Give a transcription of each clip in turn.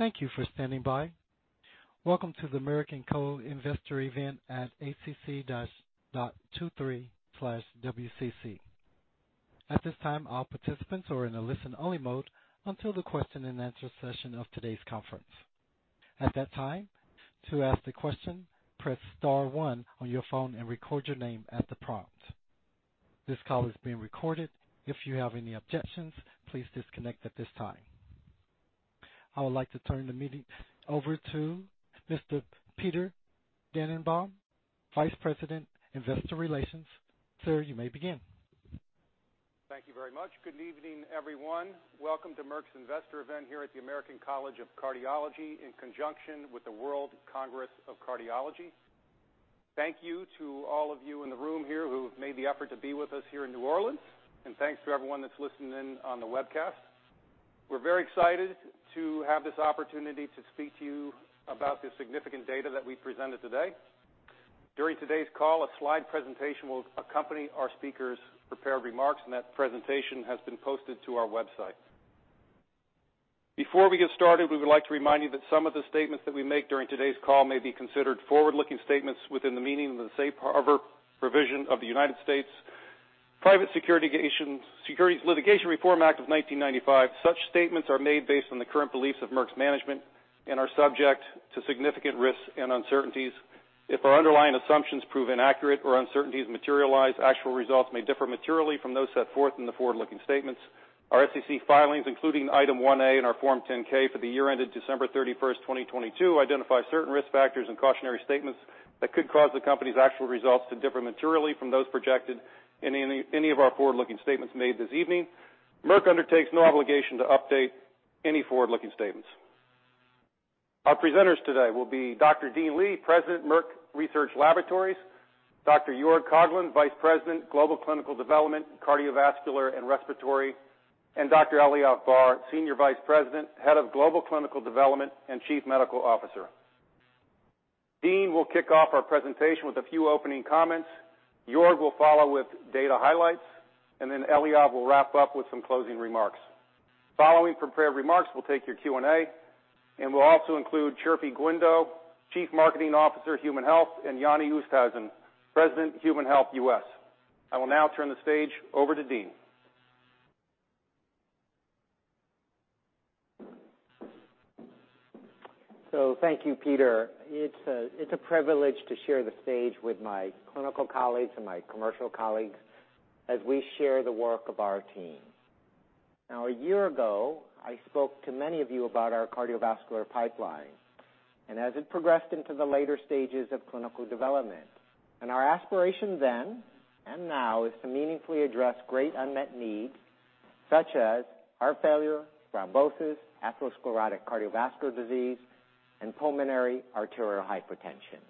Thank you for standing by. Welcome to the American College of Cardiology Investor event at acc-dot two three/wcc. At this time, all participants are in a listen-only mode until the question and answer session of today's conference. At that time, to ask the question, press star one on your phone and record your name at the prompt. This call is being recorded. If you have any objections, please disconnect at this time. I would like to turn the meeting over to Mr. Peter Dannenbaum, Vice President, Investor Relations. Sir, you may begin. Thank you very much. Good evening, everyone. Welcome to Merck's Investor event here at the American College of Cardiology, in conjunction with the World Congress of Cardiology. Thank you to all of you in the room here who've made the effort to be with us here in New Orleans. Thanks to everyone that's listening in on the webcast. We're very excited to have this opportunity to speak to you about the significant data that we presented today. During today's call, a slide presentation will accompany our speakers' prepared remarks, and that presentation has been posted to our website. Before we get started, we would like to remind you that some of the statements that we make during today's call may be considered forward-looking statements within the meaning of the Safe Harbor provision of the U.S. Private Securities Litigation Reform Act of 1995. Such statements are made based on the current beliefs of Merck's management and are subject to significant risks and uncertainties. If our underlying assumptions prove inaccurate or uncertainties materialize, actual results may differ materially from those set forth in the forward-looking statements. Our SEC filings, including Item 1A in our Form 10-K for the year ended December 31, 2022, identify certain risk factors and cautionary statements that could cause the company's actual results to differ materially from those projected in any of our forward-looking statements made this evening. Merck undertakes no obligation to update any forward-looking statements. Our presenters today will be Dr. Dean Li, President, Merck Research Laboratories, Dr. Joerg Koglin, Vice President, Global Clinical Development, Cardiovascular and Respiratory, and Dr. Eliav Barr, Senior Vice President, Head of Global Clinical Development and Chief Medical Officer. Dean will kick off our presentation with a few opening comments. Joerg will follow with data highlights. Eliav will wrap up with some closing remarks. Following prepared remarks, we'll take your Q&A. We'll also include Chirfi Guindo, Chief Marketing Officer, Human Health, and Jannie Oosthuizen, President, Human Health, U.S. I will now turn the stage over to Dean. Thank you, Peter. It's a privilege to share the stage with my clinical colleagues and my commercial colleagues as we share the work of our teams. A year ago, I spoke to many of you about our cardiovascular pipeline as it progressed into the later stages of clinical development. Our aspiration then and now is to meaningfully address great unmet needs such as heart failure, thrombosis, atherosclerotic cardiovascular disease, and pulmonary arterial hypertension.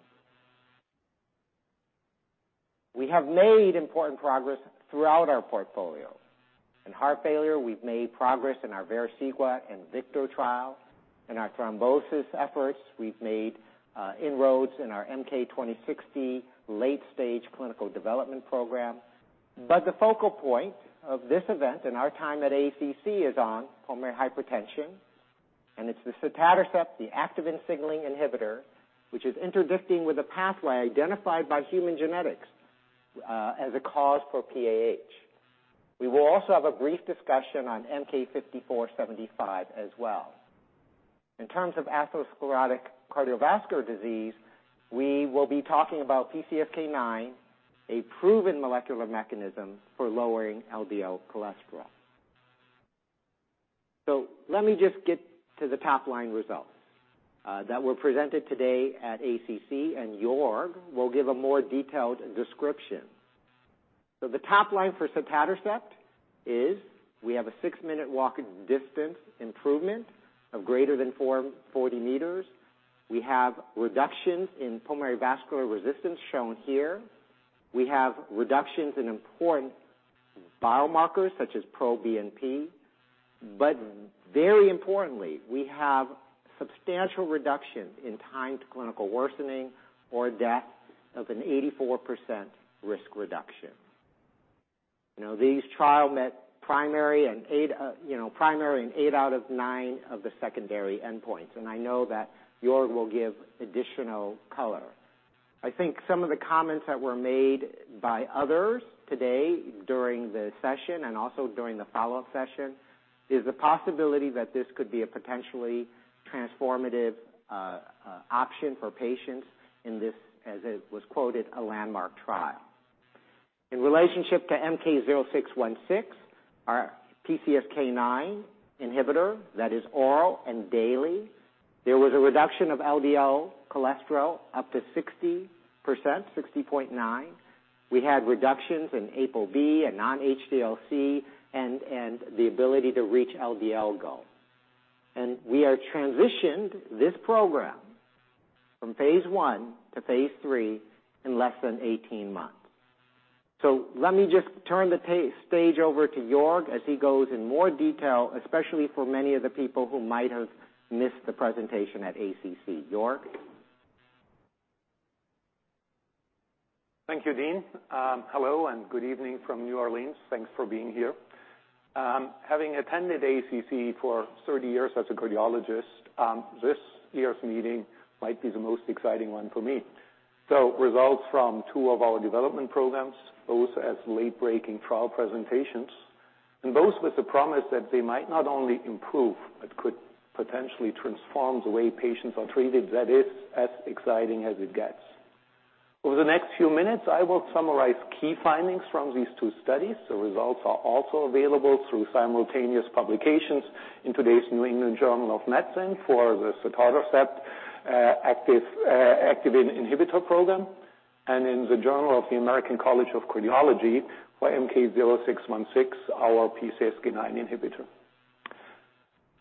We have made important progress throughout our portfolio. In heart failure, we've made progress in our vericiguat and VICTOR trials. In our thrombosis efforts, we've made inroads in our MK-2060 late-stage clinical development program. The focal point of this event and our time at ACC is on pulmonary hypertension, and it's the sotatercept, the activin signaling inhibitor, which is interdicting with a pathway identified by human genetics as a cause for PAH. We will also have a brief discussion on MK-5475 as well. In terms of atherosclerotic cardiovascular disease, we will be talking about PCSK9, a proven molecular mechanism for lowering LDL cholesterol. Let me just get to the top-line results that were presented today at ACC, and Joerg will give a more detailed description. The top line for sotatercept is we have a six-minute walking distance improvement of greater than 40 m. We have reductions in pulmonary vascular resistance shown here. We have reductions in important biomarkers such as proBNP. Very importantly, we have substantial reduction in time to clinical worsening or death of an 84% risk reduction. You know, these trial met primary and eight out of nine of the secondary endpoints. I know that Joerg will give additional color. I think some of the comments that were made by others today during the session and also during the follow-up session, is the possibility that this could be a potentially transformative option for patients in this, as it was quoted, a landmark trial. In relationship to MK-0616, our PCSK9 inhibitor that is oral and daily, there was a reduction of LDL cholesterol up to 60%, 60.9%. We had reductions in ApoB and non-HDL-C and the ability to reach LDL goal. We are transitioned this program from phase I to phase III in less than 18 months. Let me just turn the stage over to Joerg as he goes in more detail, especially for many of the people who might have missed the presentation at ACC. Joerg? Thank you, Dean. Hello, good evening from New Orleans. Thanks for being here. Having attended ACC for 30 years as a cardiologist, this year's meeting might be the most exciting one for me. Results from two of our development programs, both as late-breaking trial presentations and those with the promise that they might not only improve but could potentially transform the way patients are treated, that is as exciting as it gets. Over the next few minutes, I will summarize key findings from these two studies. The results are also available through simultaneous publications in today's New England Journal of Medicine for the sotatercept activin inhibitor program, and in the Journal of the American College of Cardiology for MK-0616, our PCSK9 inhibitor.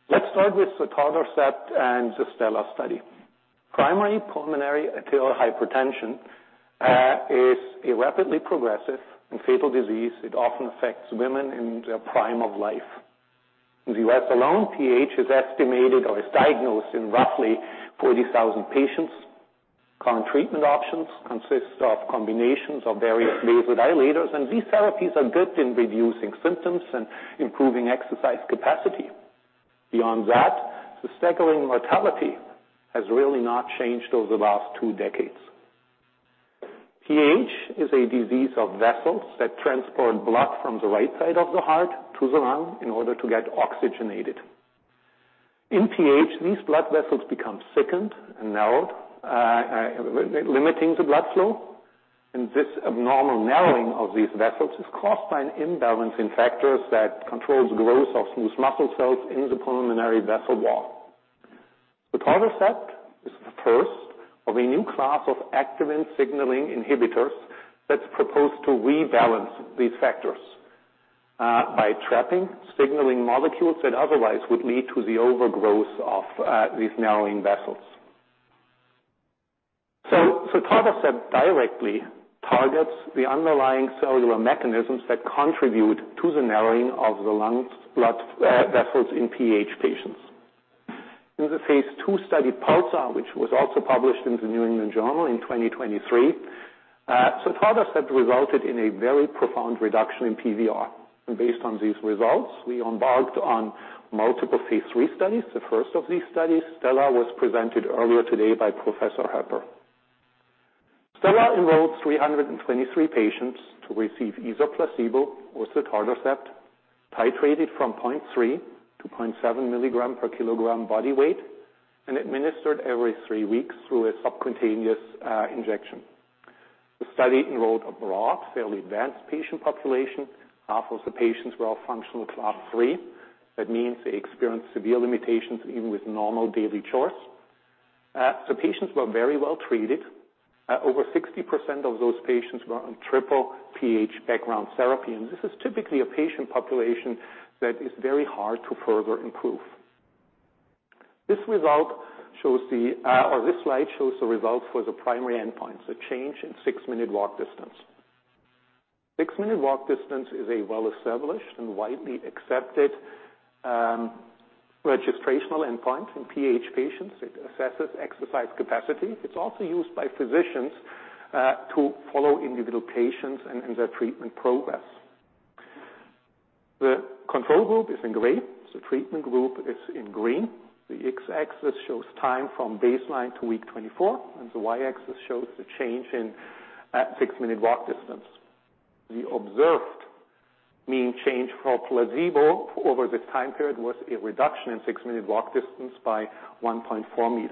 Let's start with sotatercept and the STELLAR study. Primary pulmonary arterial hypertension is a rapidly progressive and fatal disease. It often affects women in their prime of life. In the U.S. alone, PH is estimated or is diagnosed in roughly 40,000 patients. Current treatment options consist of combinations of various vasodilators. These therapies are good in reducing symptoms and improving exercise capacity. Beyond that, the circling mortality has really not changed over the last two decades. PH is a disease of vessels that transport blood from the right side of the heart to the lung in order to get oxygenated. In PH, these blood vessels become thickened and narrowed, limiting the blood flow. This abnormal narrowing of these vessels is caused by an imbalance in factors that controls growth of smooth muscle cells in the pulmonary vessel wall. Sotatercept is the first of a new class of activin signaling inhibitors that's proposed to rebalance these factors by trapping signaling molecules that otherwise would lead to the overgrowth of these narrowing vessels. Sotatercept directly targets the underlying cellular mechanisms that contribute to the narrowing of the lungs' blood vessels in PH patients. In the phase II study, PULSAR, which was also published in the New England Journal in 2023, sotatercept resulted in a very profound reduction in PVR. Based on these results, we embarked on multiple phase III studies. The first of these studies, STELLAR, was presented earlier today by Professor Hoeper. STELLAR enrolled 323 patients to receive either placebo or sotatercept, titrated from 0.3 mg-0.7 mg/ kg body weight and administered every three weeks through a subcutaneous injection. The study enrolled a broad, fairly advanced patient population. Half of the patients were all functional class three. That means they experienced severe limitations even with normal daily chores. Patients were very well treated. Over 60% of those patients were on triple PH background therapy. This is typically a patient population that is very hard to further improve. This slide shows the results for the primary endpoint, change in six-minute walk distance. Six-minute walk distance is a well-established and widely accepted registrational endpoint in PH patients. It assesses exercise capacity. It's also used by physicians to follow individual patients and in their treatment progress. The control group is in gray. The treatment group is in green. The X-axis shows time from baseline to week 24. The Y-axis shows the change in six-minute walk distance. The observed mean change for placebo over this time period was a reduction in six-minute walk distance by 1.4 m.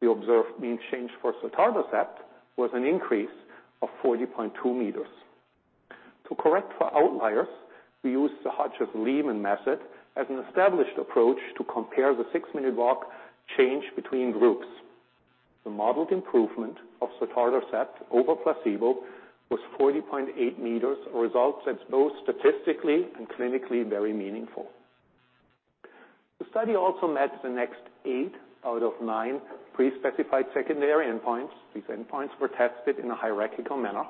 The observed mean change for sotatercept was an increase of 40.2 m. To correct for outliers, we used the Hodges-Lehmann method as an established approach to compare the six-minute walk change between groups. The modeled improvement of sotatercept over placebo was 40.8 m, a result that's both statistically and clinically very meaningful. The study also met the next eight out of nine pre-specified secondary endpoints. These endpoints were tested in a hierarchical manner.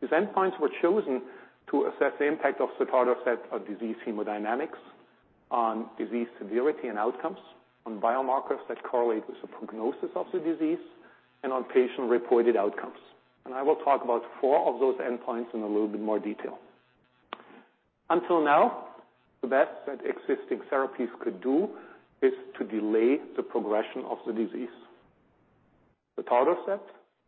These endpoints were chosen to assess the impact of sotatercept on disease hemodynamics, on disease severity and outcomes, on biomarkers that correlate with the prognosis of the disease, and on patient-reported outcomes. I will talk about four of those endpoints in a little bit more detail. Until now, the best that existing therapies could do is to delay the progression of the disease. Sotatercept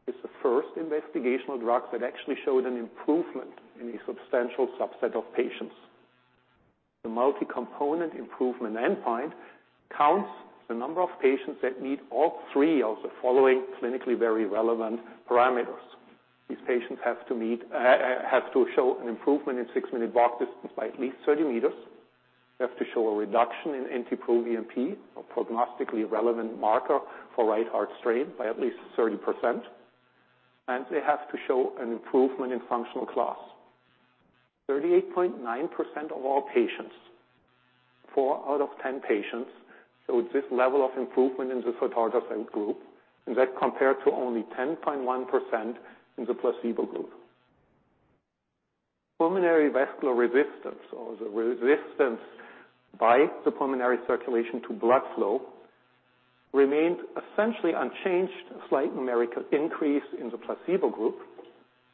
is the first investigational drug that actually showed an improvement in a substantial subset of patients. The multi-component improvement endpoint counts the number of patients that need all three of the following clinically very relevant param. These patients have to meet, have to show an improvement in six-minute walk distance by at least 30 m. They have to show a reduction in NT-proBNP, a prognostically relevant marker for right heart strain, by at least 30%. They have to show an improvement in functional class. 38.9% of all patients, four out of 10 patients, showed this level of improvement in the sotatercept group. That compared to only 10.1% in the placebo group. Pulmonary vascular resistance, or the resistance by the pulmonary circulation to blood flow, remained essentially unchanged, a slight numerical increase in the placebo group.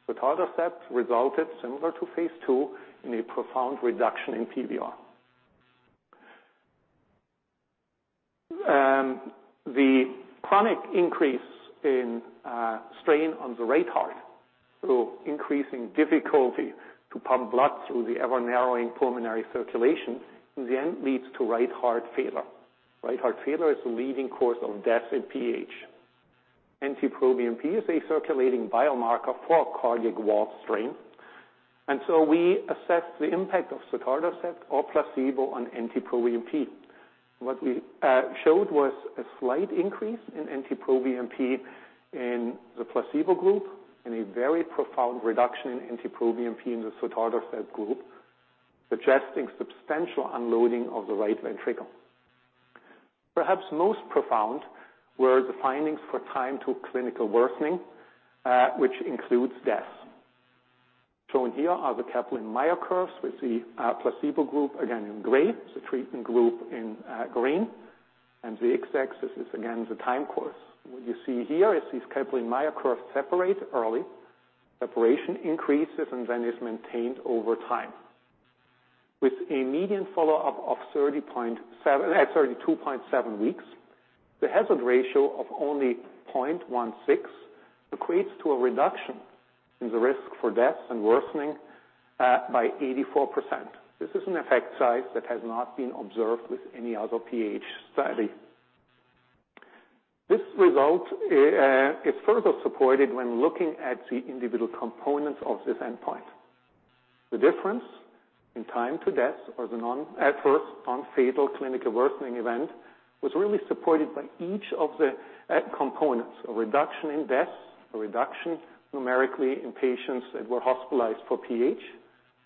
Sotatercept resulted, similar to phase II, in a profound reduction in PVR. The chronic increase in strain on the right heart, so increasing difficulty to pump blood through the ever-narrowing pulmonary circulation, in the end, leads to right heart failure. Right heart failure is the leading cause of death in PH. NT-proBNP is a circulating biomarker for cardiac wall strain. We assessed the impact of sotatercept or placebo on NT-proBNP. What we showed was a slight increase in NT-proBNP in the placebo group and a very profound reduction in NT-proBNP in the sotatercept group, suggesting substantial unloading of the right ventricle. Perhaps most profound were the findings for time to clinical worsening, which includes death. Shown here are the Kaplan-Meier curves. We see placebo group again in gray, the treatment group in green, and the X-axis is again the time course. What you see here is these Kaplan-Meier curves separate early, separation increases, and then is maintained over time. With a median follow-up of 32.7 weeks, the hazard ratio of only 0.16 equates to a reduction in the risk for death and worsening by 84%. This is an effect size that has not been observed with any other PH study. This result, is further supported when looking at the individual components of this endpoint. The difference in time to death or the non, adverse non-fatal clinical worsening event was really supported by each of the, components. A reduction in deaths, a reduction numerically in patients that were hospitalized for PH,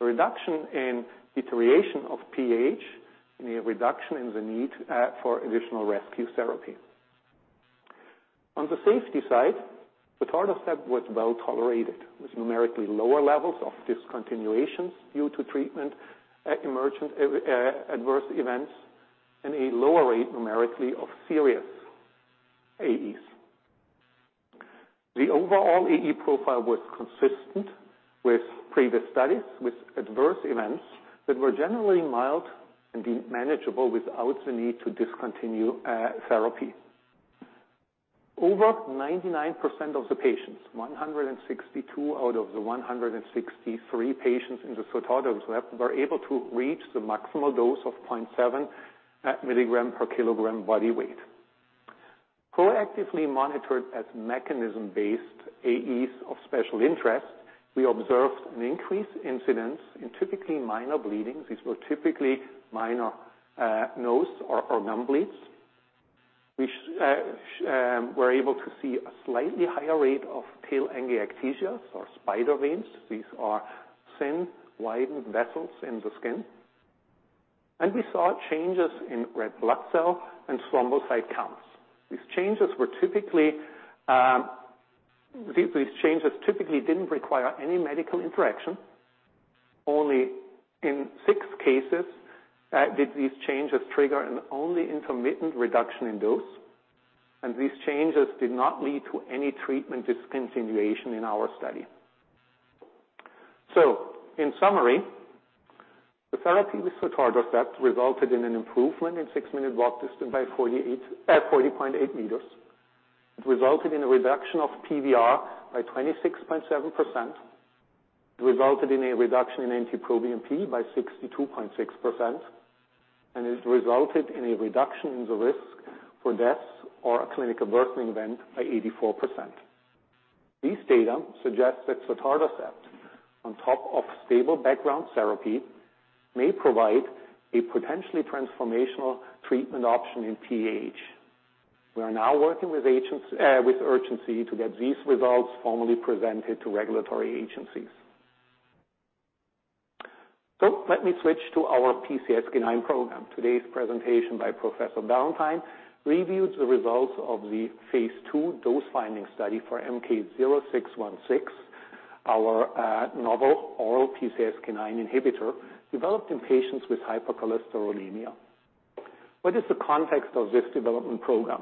a reduction in deterioration of PH, and a reduction in the need, for additional rescue therapy. On the safety side, sotatercept was well-tolerated, with numerically lower levels of discontinuations due to treatment, emergent, adverse events, and a lower rate numerically of serious AEs. The overall AE profile was consistent with previous studies, with adverse events that were generally mild and manageable without the need to discontinue, therapy. Over 99% of the patients, 162 out of the 163 patients in the sotatercept, were able to reach the maximal dose of 0.7 mg/kg body weight. Proactively monitored as mechanism-based AEs of special interest, we observed an increased incidence in typically minor bleedings. These were typically minor nose or gum bleeds. We were able to see a slightly higher rate of telangiectasia, or spider veins. These are thin, widened vessels in the skin. We saw changes in red blood cell and thrombocyte counts. These changes typically didn't require any medical interaction. Only in six cases did these changes trigger an only intermittent reduction in dose, these changes did not lead to any treatment discontinuation in our study. In summary, the therapy with sotatercept resulted in an improvement in six-minute walk distance by 40.8 m. It resulted in a reduction of PVR by 26.7%. It resulted in a reduction in NT-proBNP by 62.6%, and it resulted in a reduction in the risk for death or a clinical worsening event by 84%. These data suggest that sotatercept, on top of stable background therapy, may provide a potentially transformational treatment option in PH. We are now working with agents, with urgency to get these results formally presented to regulatory agencies. Let me switch to our PCSK9 program. Today's presentation by Professor Ballantyne reviewed the results of the phase II dose-finding study for MK-0616, our novel oral PCSK9 inhibitor developed in patients with hypercholesterolemia. What is the context of this development program?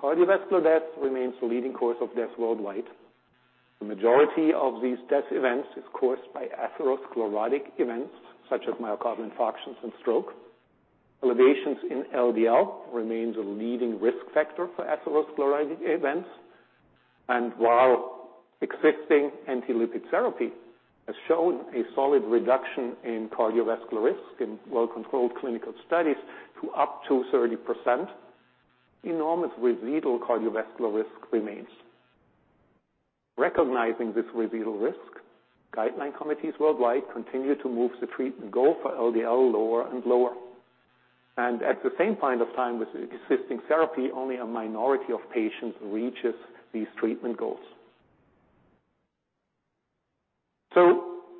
Cardiovascular death remains the leading cause of death worldwide. The majority of these death events is caused by atherosclerotic events, such as myocardial infarctions and stroke. Elevations in LDL remains a leading risk factor for atherosclerotic events. While existing antilipid therapy has shown a solid reduction in cardiovascular risk in well-controlled clinical studies to up to 30%, enormous residual cardiovascular risk remains. At the same point of time with existing therapy, only a minority of patients reaches these treatment goals.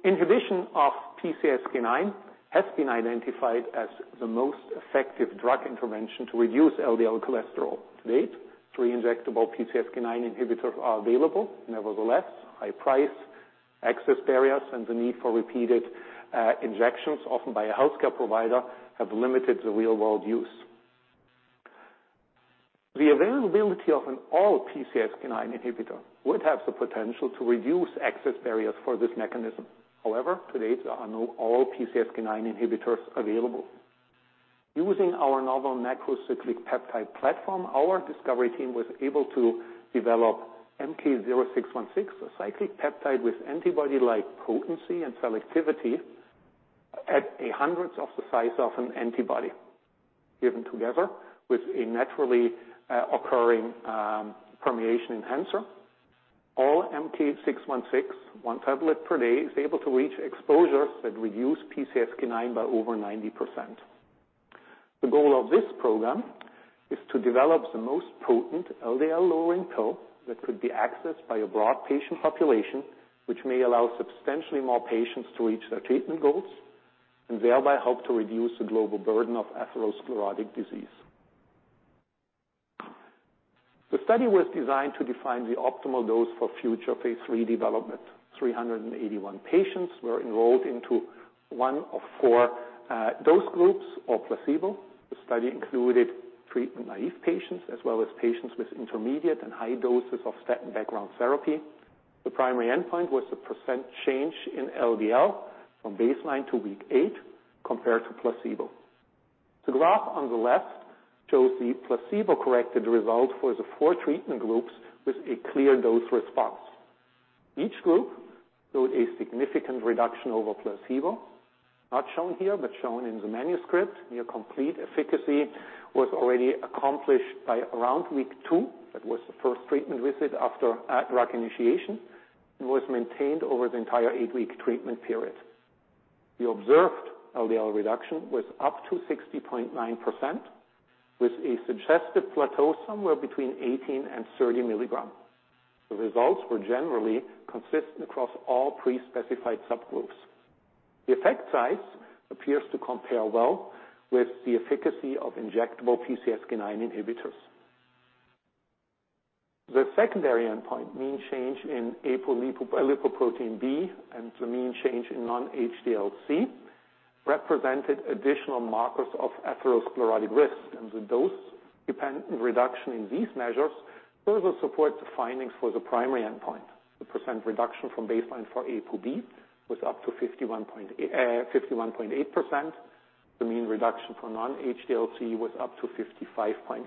Inhibition of PCSK9 has been identified as the most effective drug intervention to reduce LDL cholesterol. To date, three injectable PCSK9 inhibitors are available. Nevertheless, high priceAccess barriers and the need for repeated injections, often by a healthcare provider, have limited the real-world use. The availability of an all PCSK9 inhibitor would have the potential to reduce access barriers for this mechanism. However, to date, there are no all PCSK9 inhibitors available. Using our novel macrocyclic peptide platform, our discovery team was able to develop MK-0616, a cyclic peptide with antibody-like potency and selectivity at a hundredth of the size of an antibody. Given together with a naturally occurring permeation enhancer, all MK-0616, one tablet per day, is able to reach exposures that reduce PCSK9 by over 90%. The goal of this program is to develop the most potent LDL-lowering pill that could be accessed by a broad patient population, which may allow substantially more patients to reach their treatment goals and thereby help to reduce the global burden of atherosclerotic disease. The study was designed to define the optimal dose for future Phase III development. 381 patients were enrolled into one of four dose groups or placebo. The study included treatment-naive patients, as well as patients with intermediate and high doses of statin background therapy. The primary endpoint was the percentage change in LDL from baseline to week eight compared to placebo. The graph on the left shows the placebo-corrected result for the four treatment groups with a clear dose response. Each group showed a significant reduction over placebo, not shown here, but shown in the manuscript. Near complete efficacy was already accomplished by around week two. That was the first treatment visit after drug initiation and was maintained over the entire eight-week treatment period. The observed LDL reduction was up to 60.9%, with a suggested plateau somewhere between 18 mg and 30 mg. The results were generally consistent across all pre-specified subgroups. The effect size appears to compare well with the efficacy of injectable PCSK9 inhibitors. The secondary endpoint, mean change in apolipoprotein B and the mean change in non-HDL-C, represented additional markers of atherosclerotic risk. The dose-dependent reduction in these measures further supports the findings for the primary endpoint. The percent reduction from baseline for ApoB was up to 51.8%. The mean reduction for non-HDL-C was up to 55.8%.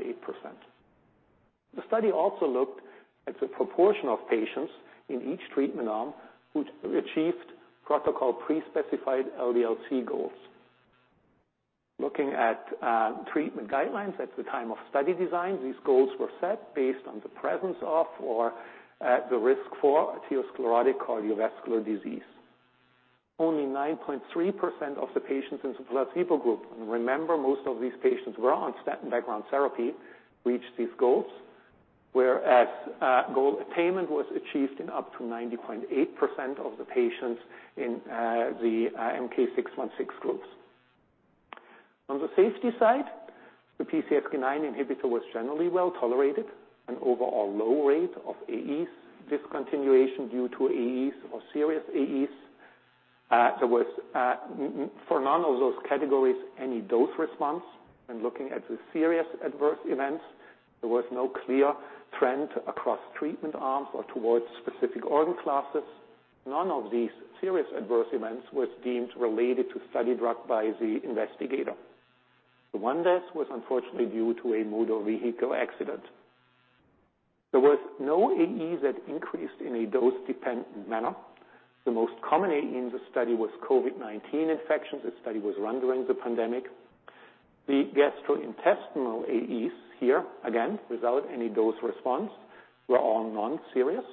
The study also looked at the proportion of patients in each treatment arm who achieved protocol pre-specified LDL-C goals. Looking at treatment guidelines at the time of study design, these goals were set based on the presence of, or the risk for atherosclerotic cardiovascular disease. Only 9.3% of the patients in the placebo group, and remember, most of these patients were on statin background therapy, reached these goals. Goal attainment was achieved in up to 90.8% of the patients in the MK-0616 groups. On the safety side, the PCSK9 inhibitor was generally well-tolerated. An overall low rate of AEs, discontinuation due to AEs or serious AEs. There was for none of those categories, any dose response. When looking at the serious adverse events, there was no clear trend across treatment arms or towards specific organ classes. None of these serious adverse events was deemed related to study drug by the investigator. The one death was unfortunately due to a motor vehicle accident. There was no AEs that increased in a dose-dependent manner. The most common AE in the study was COVID-19 infections. The study was run during the pandemic. The gastrointestinal AEs here, again, without any dose response, were all non-serious,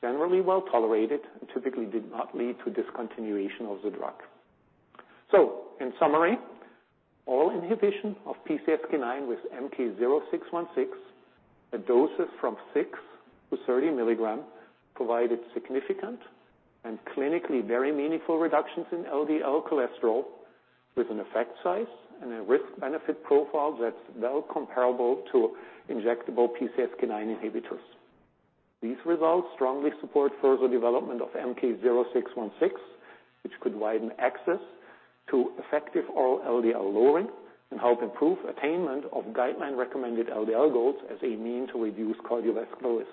generally well-tolerated, and typically did not lead to discontinuation of the drug. In summary, all inhibition of PCSK9 with MK-0616 at doses from 6 mg-30 mg provided significant and clinically very meaningful reductions in LDL cholesterol with an effect size and a risk-benefit profile that's well comparable to injectable PCSK9 inhibitors. These results strongly support further development of MK-0616, which could widen access to effective oral LDL lowering and help improve attainment of guideline-recommended LDL goals as a mean to reduce cardiovascular risk.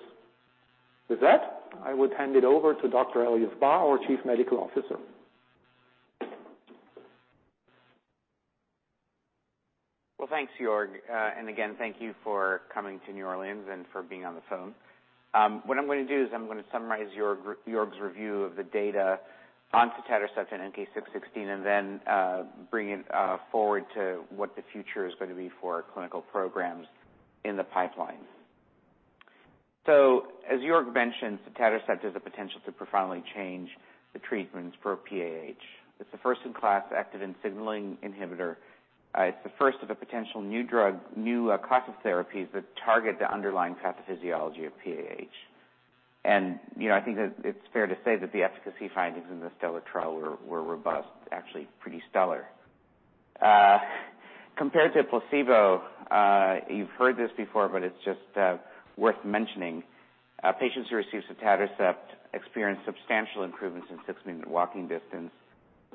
With that, I would hand it over to Dr. Eliav Barr, our Chief Medical Officer. Thanks, Joerg. Again, thank you for coming to New Orleans and for being on the phone. What I'm gonna do is I'm gonna summarize Joerg's review of the data on sotatercept and MK-0616, then bring it forward to what the future is gonna be for our clinical programs in the pipeline. As Joerg mentioned, sotatercept has the potential to profoundly change the treatments for PAH. It's a first-in-class activin signaling inhibitor. It's the first of a potential new drug, new class of therapies that target the underlying pathophysiology of PAH. You know, I think that it's fair to say that the efficacy findings in the STELLAR trial were robust, actually pretty stellar. Compared to placebo, you've heard this before, but it's just worth mentioning, patients who receive sotatercept experienced substantial improvements in six-minute walking distance,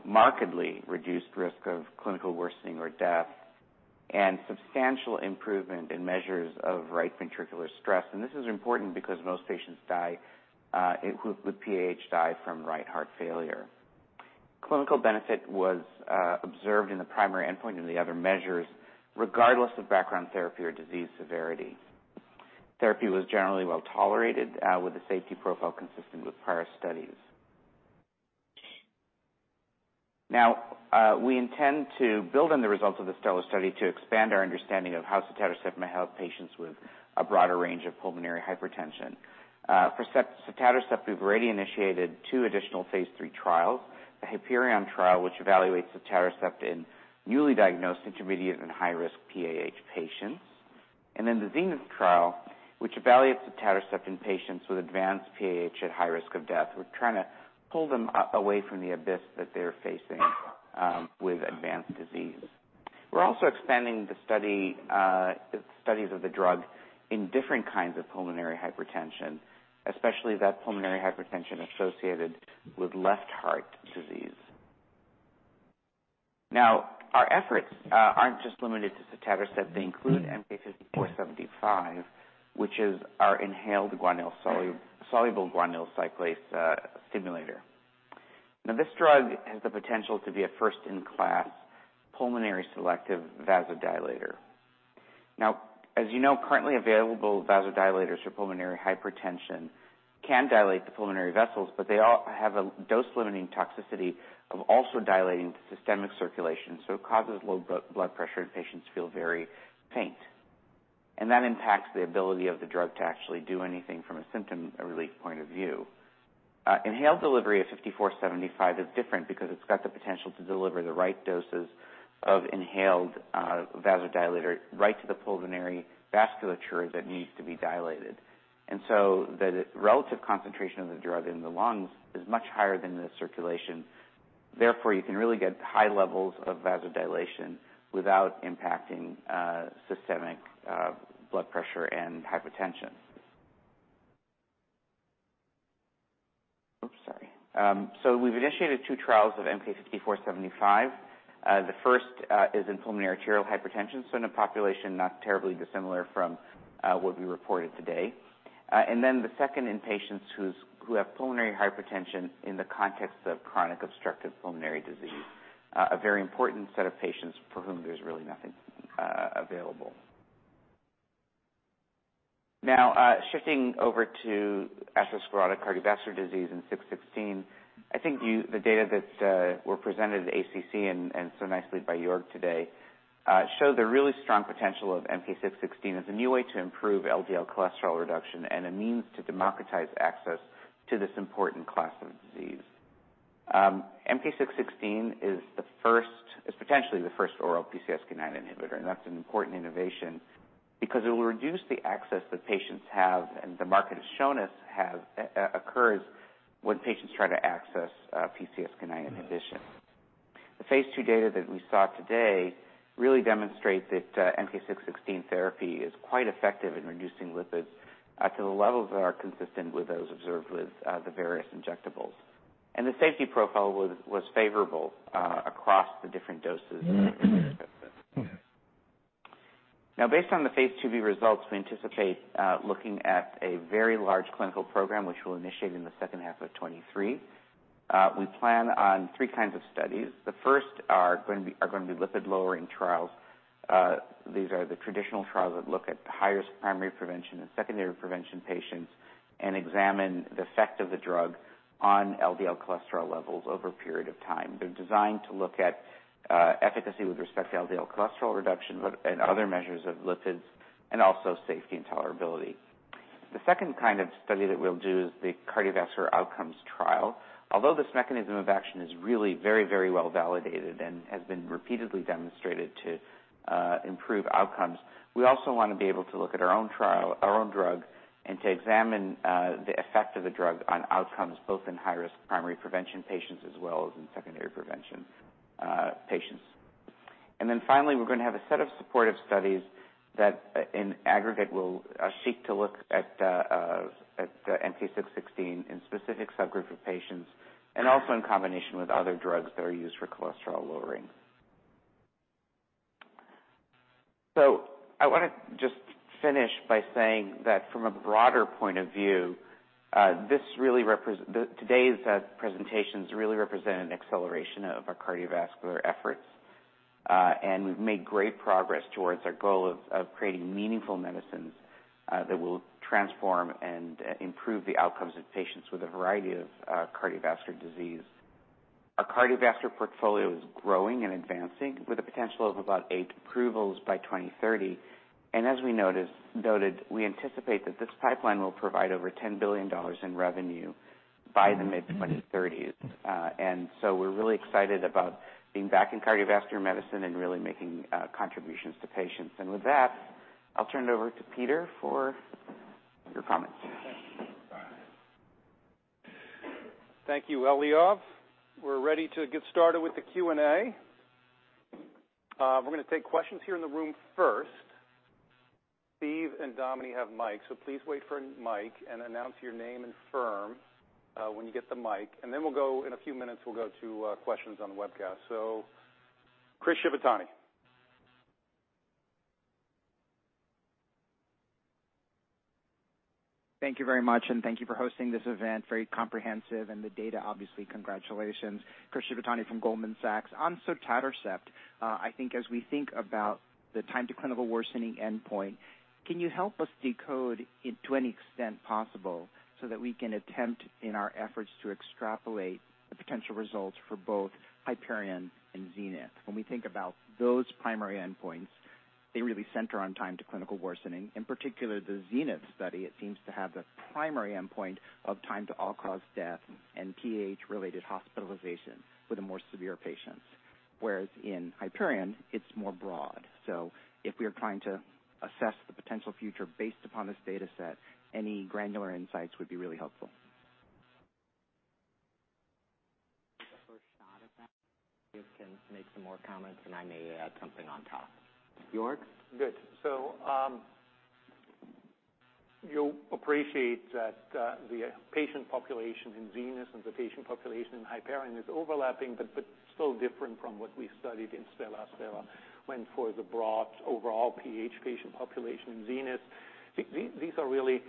markedly reduced risk of clinical worsening or death, and substantial improvement in measures of right ventricular stress. This is important because most patients die with PAH die from right heart failure. Clinical benefit was observed in the primary endpoint and the other measures, regardless of background therapy or disease severity. Therapy was generally well-tolerated with the safety profile consistent with prior studies. Now, we intend to build on the results of the STELLAR study to expand our understanding of how sotatercept may help patients with a broader range of pulmonary hypertension. For sotatercept, we've already initiated two additional phase III trials, the HYPERION trial, which evaluates sotatercept in newly diagnosed intermediate and high-risk PAH patients. The ZENITH trial, which evaluates sotatercept in patients with advanced PAH at high risk of death. We're trying to pull them up away from the abyss that they're facing with advanced disease. We're also expanding the studies of the drug in different kinds of pulmonary hypertension, especially that pulmonary hypertension associated with left heart disease. Our efforts aren't just limited to sotatercept. They include MK-5475, which is our inhaled soluble guanylate cyclase stimulator. This drug has the potential to be a first-in-class pulmonary selective vasodilator. As you know, currently available vasodilators for pulmonary hypertension can dilate the pulmonary vessels, but they have a dose-limiting toxicity of also dilating the systemic circulation, so it causes low blood pressure, and patients feel very faint. That impacts the ability of the drug to actually do anything from a symptom relief point of view. Inhaled delivery of MK-5475 is different because it's got the potential to deliver the right doses of inhaled vasodilator right to the pulmonary vasculature that needs to be dilated. The relative concentration of the drug in the lungs is much higher than the circulation. Therefore, you can really get high levels of vasodilation without impacting systemic blood pressure and hypertension. Oops, sorry. We've initiated two trials of MK-1675. The first is in pulmonary arterial hypertension, so in a population not terribly dissimilar from what we reported today. The second in patients who have pulmonary hypertension in the context of chronic obstructive pulmonary disease, a very important set of patients for whom there's really nothing available. Now, shifting over to atherosclerotic cardiovascular disease in MK-0616. I think the data that were presented at ACC and so nicely by Joerg today, show the really strong potential of MK-0616 as a new way to improve LDL cholesterol reduction and a means to democratize access to this important class of disease. MK-0616 is potentially the first oral PCSK9 inhibitor. That's an important innovation because it will reduce the access that patients have, and the market has shown us, occurs when patients try to access PCSK9 inhibition. The phase II data that we saw today really demonstrates that MK-0616 therapy is quite effective in reducing lipids to the levels that are consistent with those observed with the various injectables. The safety profile was favorable across the different doses of MK-0616. Based on the phase II-B results, we anticipate looking at a very large clinical program, which we'll initiate in the second half of 2023. We plan on three kinds of studies. The first are gonna be lipid-lowering trials. These are the traditional trials that look at high risk primary prevention and secondary prevention patients and examine the effect of the drug on LDL cholesterol levels over a period of time. They're designed to look at efficacy with respect to LDL cholesterol reduction and other measures of lipids, and also safety and tolerability. The second kind of study that we'll do is the cardiovascular outcomes trial. Although this mechanism of action is really very, very well-validated and has been repeatedly demonstrated to improve outcomes, we also wanna be able to look at our own trial, our own drug, and to examine the effect of the drug on outcomes both in high-risk primary prevention patients as well as in secondary prevention patients. Finally, we're gonna have a set of supportive studies that in aggregate will seek to look at MK-0616 in specific subgroup of patients and also in combination with other drugs that are used for cholesterol lowering. I wanna just finish by saying that from a broader point of view, the today's presentations really represent an acceleration of our cardiovascular efforts, and we've made great progress towards our goal of creating meaningful medicines that will transform and improve the outcomes of patients with a variety of cardiovascular disease. Our cardiovascular portfolio is growing and advancing with the potential of about eight approvals by 2030. As we noted, we anticipate that this pipeline will provide over $10 billion in revenue by the mid 2030s. We're really excited about being back in cardiovascular medicine and really making contributions to patients. With that, I'll turn it over to Peter for your comments. Thank you, Eliav. We're ready to get started with the Q&A. We're gonna take questions here in the room first. Steve and Dominic have mics, so please wait for a mic and announce your name and firm, when you get the mic. In a few minutes, we'll go to questions on the webcast. Chris Shibutani. Thank you very much, and thank you for hosting this event. Very comprehensive and the data, obviously, congratulations. Chris Shibutani from Goldman Sachs. On sotatercept, I think as we think about the time to clinical worsening endpoint, can you help us decode it to any extent possible so that we can attempt in our efforts to extrapolate the potential results for both HYPERION and ZENITH? When we think about those primary endpoints, they really center on time to clinical worsening. In particular, the ZENITH study, it seems to have the primary endpoint of time to all-cause death and PAH related hospitalization with the more severe patients, whereas in HYPERION it's more broad. If we are trying to assess the potential future based upon this data set, any granular insights would be really helpful. Take a first shot at that. You can make some more comments, and I may add something on top. Joerg? Good. you'll appreciate that, the patient population in Zenith and the patient population in HYPERION is overlapping but still different from what we studied in STELLAR. STELLAR went for the broad overall PAH patient population. In ZENITH, these are really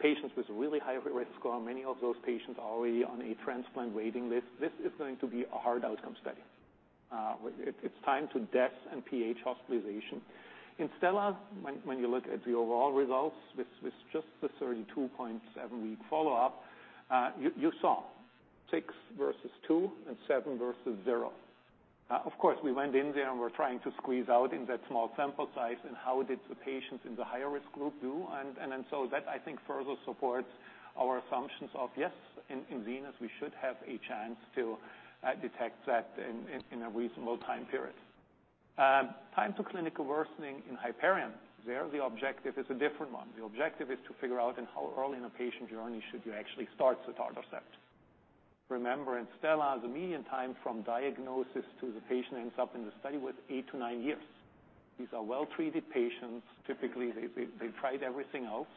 patients with really high risk score. Many of those patients are already on a transplant waiting list. This is going to be a hard outcome study. it's time to death and PAH hospitalization. In STELLAR, when you look at the overall results with just the 32.7-week follow-up, you saw 6 versus 2 and 7 versus 0. Of course, we went in there and we're trying to squeeze out in that small sample size. How did the patients in the higher risk group do? That I think further supports our assumptions of, yes, in Zenith, we should have a chance to detect that in a reasonable time period. Time to clinical worsening in Hyperion, there, the objective is a different one. The objective is to figure out in how early in a patient journey should you actually start Sotatercept. Remember, in STELLAR, the median time from diagnosis to the patient ends up in the study was eight to nine years. These are well-treated patients. Typically, they've tried everything else.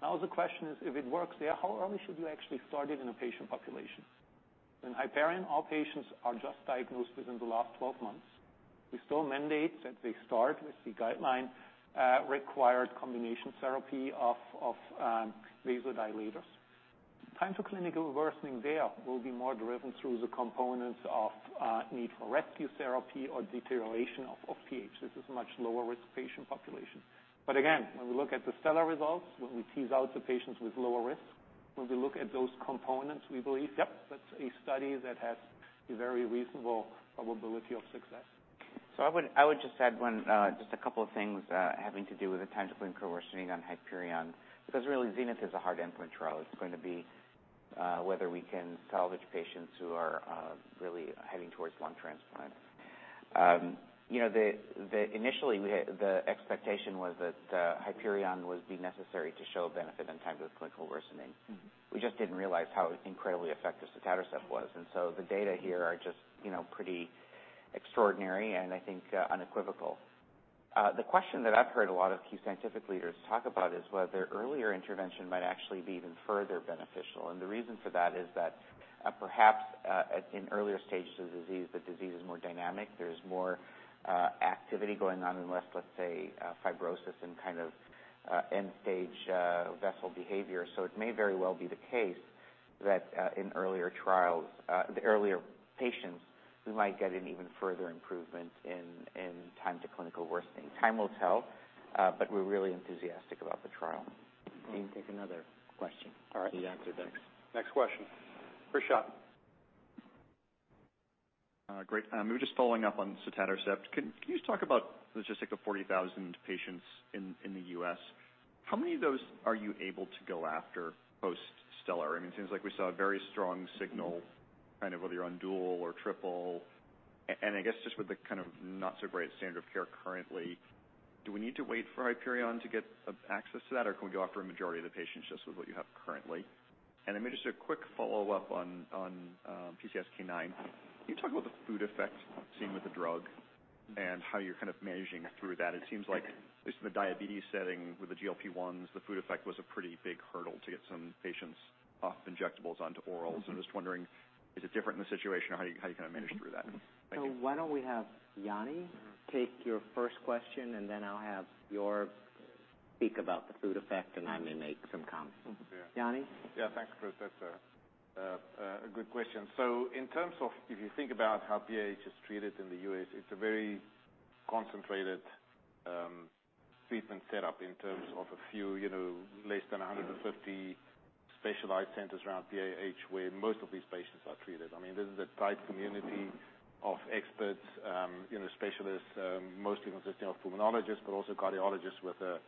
Now, the question is, if it works there, how early should you actually start it in a patient population? In HYPERION, all patients are just diagnosed within the last 12 months. We still mandate that they start with the guideline required combination therapy of vasodilators. Time to clinical worsening there will be more driven through the components of need for rescue therapy or deterioration of PAH. This is a much lower risk patient population. Again, when we look at the STELLAR results, when we tease out the patients with lower risk, when we look at those components, we believe, yep, that's a study that has a very reasonable probability of success. I would just add one, just a couple of things, having to do with the time to clinical worsening on HYPERION, because really ZENITH is a hard endpoint trial. It's going to be, whether we can salvage patients who are, really heading towards lung transplant. You know, the expectation was that, HYPERION would be necessary to show benefit in time to clinical worsening. Mm-hmm. We just didn't realize how incredibly effective sotatercept was. The data here are just, you know, pretty extraordinary and I think unequivocal. The question that I've heard a lot of key scientific leaders talk about is whether earlier intervention might actually be even further beneficial. The reason for that is that perhaps at an earlier stage of the disease, the disease is more dynamic. There's more activity going on and less, let's say, fibrosis and kind of end-stage vessel behavior. It may very well be the case that in earlier trials, the earlier patients, we might get an even further improvement in time to clinical worsening. Time will tell, but we're really enthusiastic about the trial. We can take another question. All right. Yeah. Good. Thanks. Next question. Chris Schott. Great. Maybe just following up on sotatercept. Can you talk about the logistic of 40,000 patients in the U.S.? How many of those are you able to go after post STELLAR? I mean, it seems like we saw a very strong signal, kind of whether you're on dual or triple. I guess just with the, kind of, not so great standard of care currently, do we need to wait for HYPERION to get access to that? Or can we go after a majority of the patients just with what you have currently? Then maybe just a quick follow-up on PCSK9. Can you talk about the food effect seen with the drug and how you're kind of managing through that? It seems like at least in the diabetes setting with the GLP-1s, the food effect was a pretty big hurdle to get some patients off injectables onto orals. I'm just wondering, is it different in this situation or how do you, how do you kind of manage through that? Thank you. Why don't we have Jannie take your first question, and then I'll have Joerg speak about the food effect, and I may make some comments. Jannie? Yeah. Thanks, Chris. That's a good question. In terms of if you think about how PAH is treated in the U.S., it's a very concentrated treatment setup in terms of a few, you know, less than 150 specialized centers around PAH where most of these patients are treated. I mean, this is a tight community of experts, you know, specialists, mostly consisting of pulmonologists, but also cardiologists with a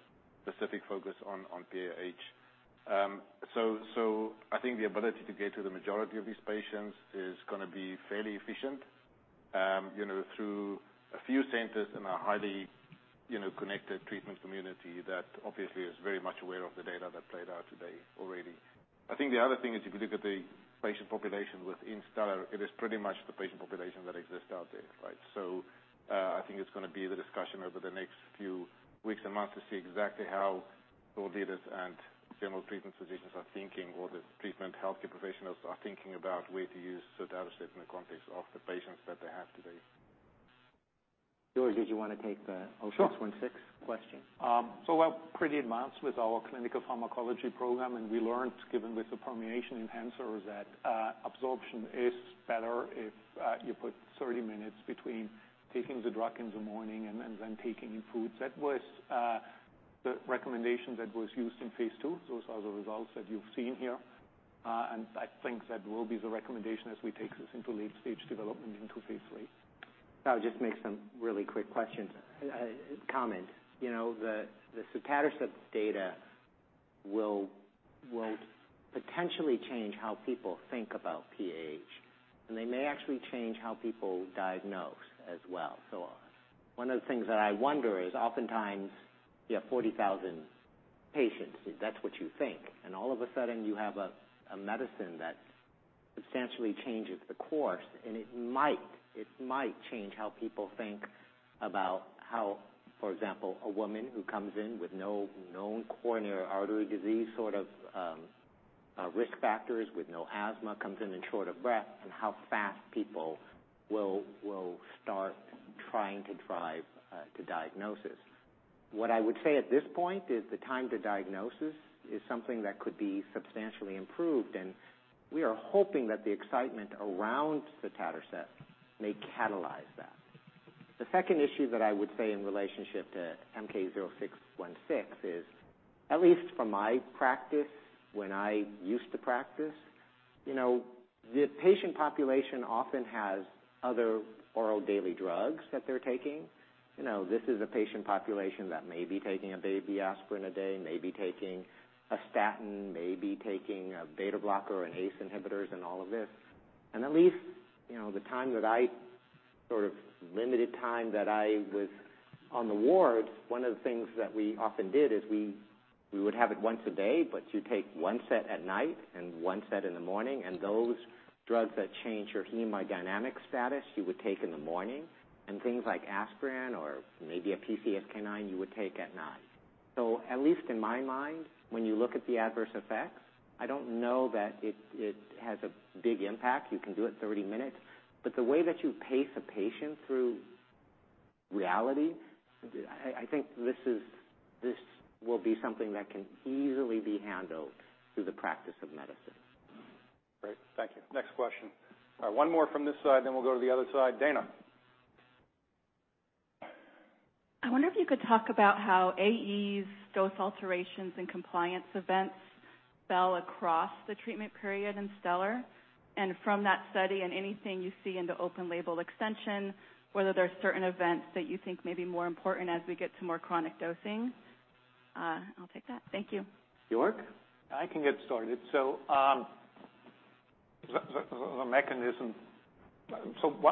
specific focus on PAH. I think the ability to get to the majority of these patients is gonna be fairly efficient. You know, through a few centers in a highly, you know, connected treatment community that obviously is very much aware of the data that played out today already. I think the other thing is, if you look at the patient population within STELLAR, it is pretty much the patient population that exists out there, right? I think it's gonna be the discussion over the next few weeks and months to see exactly how thought leaders and general treatment physicians are thinking or the treatment healthcare professionals are thinking about where to use sotatercept in the context of the patients that they have today. Joerg, did you wanna take the-? Sure. MK-0616 question? We're pretty advanced with our clinical pharmacology program, and we learned, given with the permeation enhancers, that absorption is better if you put 30 minutes between taking the drug in the morning and then taking in foods. That was the recommendation that was used in phase II. Those are the results that you've seen here. I think that will be the recommendation as we take this into late-stage development into phase III. I'll just make some really quick questions, comments. You know, the sotatercept data will potentially change how people think about PAH. They may actually change how people diagnose as well. One of the things that I wonder is oftentimes you have 40,000 patients if that's what you think, and all of a sudden you have a medicine that substantially changes the course, and it might change how people think about how, for example, a woman who comes in with no known coronary artery disease sort of risk factors, with no asthma, comes in and short of breath, and how fast people will start trying to drive to diagnosis. What I would say at this point is the time to diagnosis is something that could be substantially improved, and we are hoping that the excitement around sotatercept may catalyze that. The second issue that I would say in relationship to MK-0616 is at least from my practice, when I used to practice, you know, the patient population often has other oral daily drugs that they're taking. You know, this is a patient population that may be taking a baby aspirin a day, may be taking a statin, may be taking a beta blocker, an ACE inhibitors and all of this. At least, you know, limited time that I was on the wards, one of the things that we often did is we would have it once a day, but you take 1 set at night and 1 set in the morning. Those drugs that change your hemodynamic status, you would take in the morning. Things like aspirin or maybe a PCSK9 you would take at night. At least in my mind, when you look at the adverse effects, I don't know that it has a big impact. You can do it 30 minutes. The way that you pace a patient through reality, I think this will be something that can easily be handled through the practice of medicine. Great. Thank you. Next question. One more from this side, then we'll go to the other side. Daina. I wonder if you could talk about how AEs, dose alterations, and compliance events fell across the treatment period in STELLAR. From that study and anything you see in the open label extension, whether there are certain events that you think may be more important as we get to more chronic dosing. I'll take that. Thank you. Joerg? I can get started. The mechanism.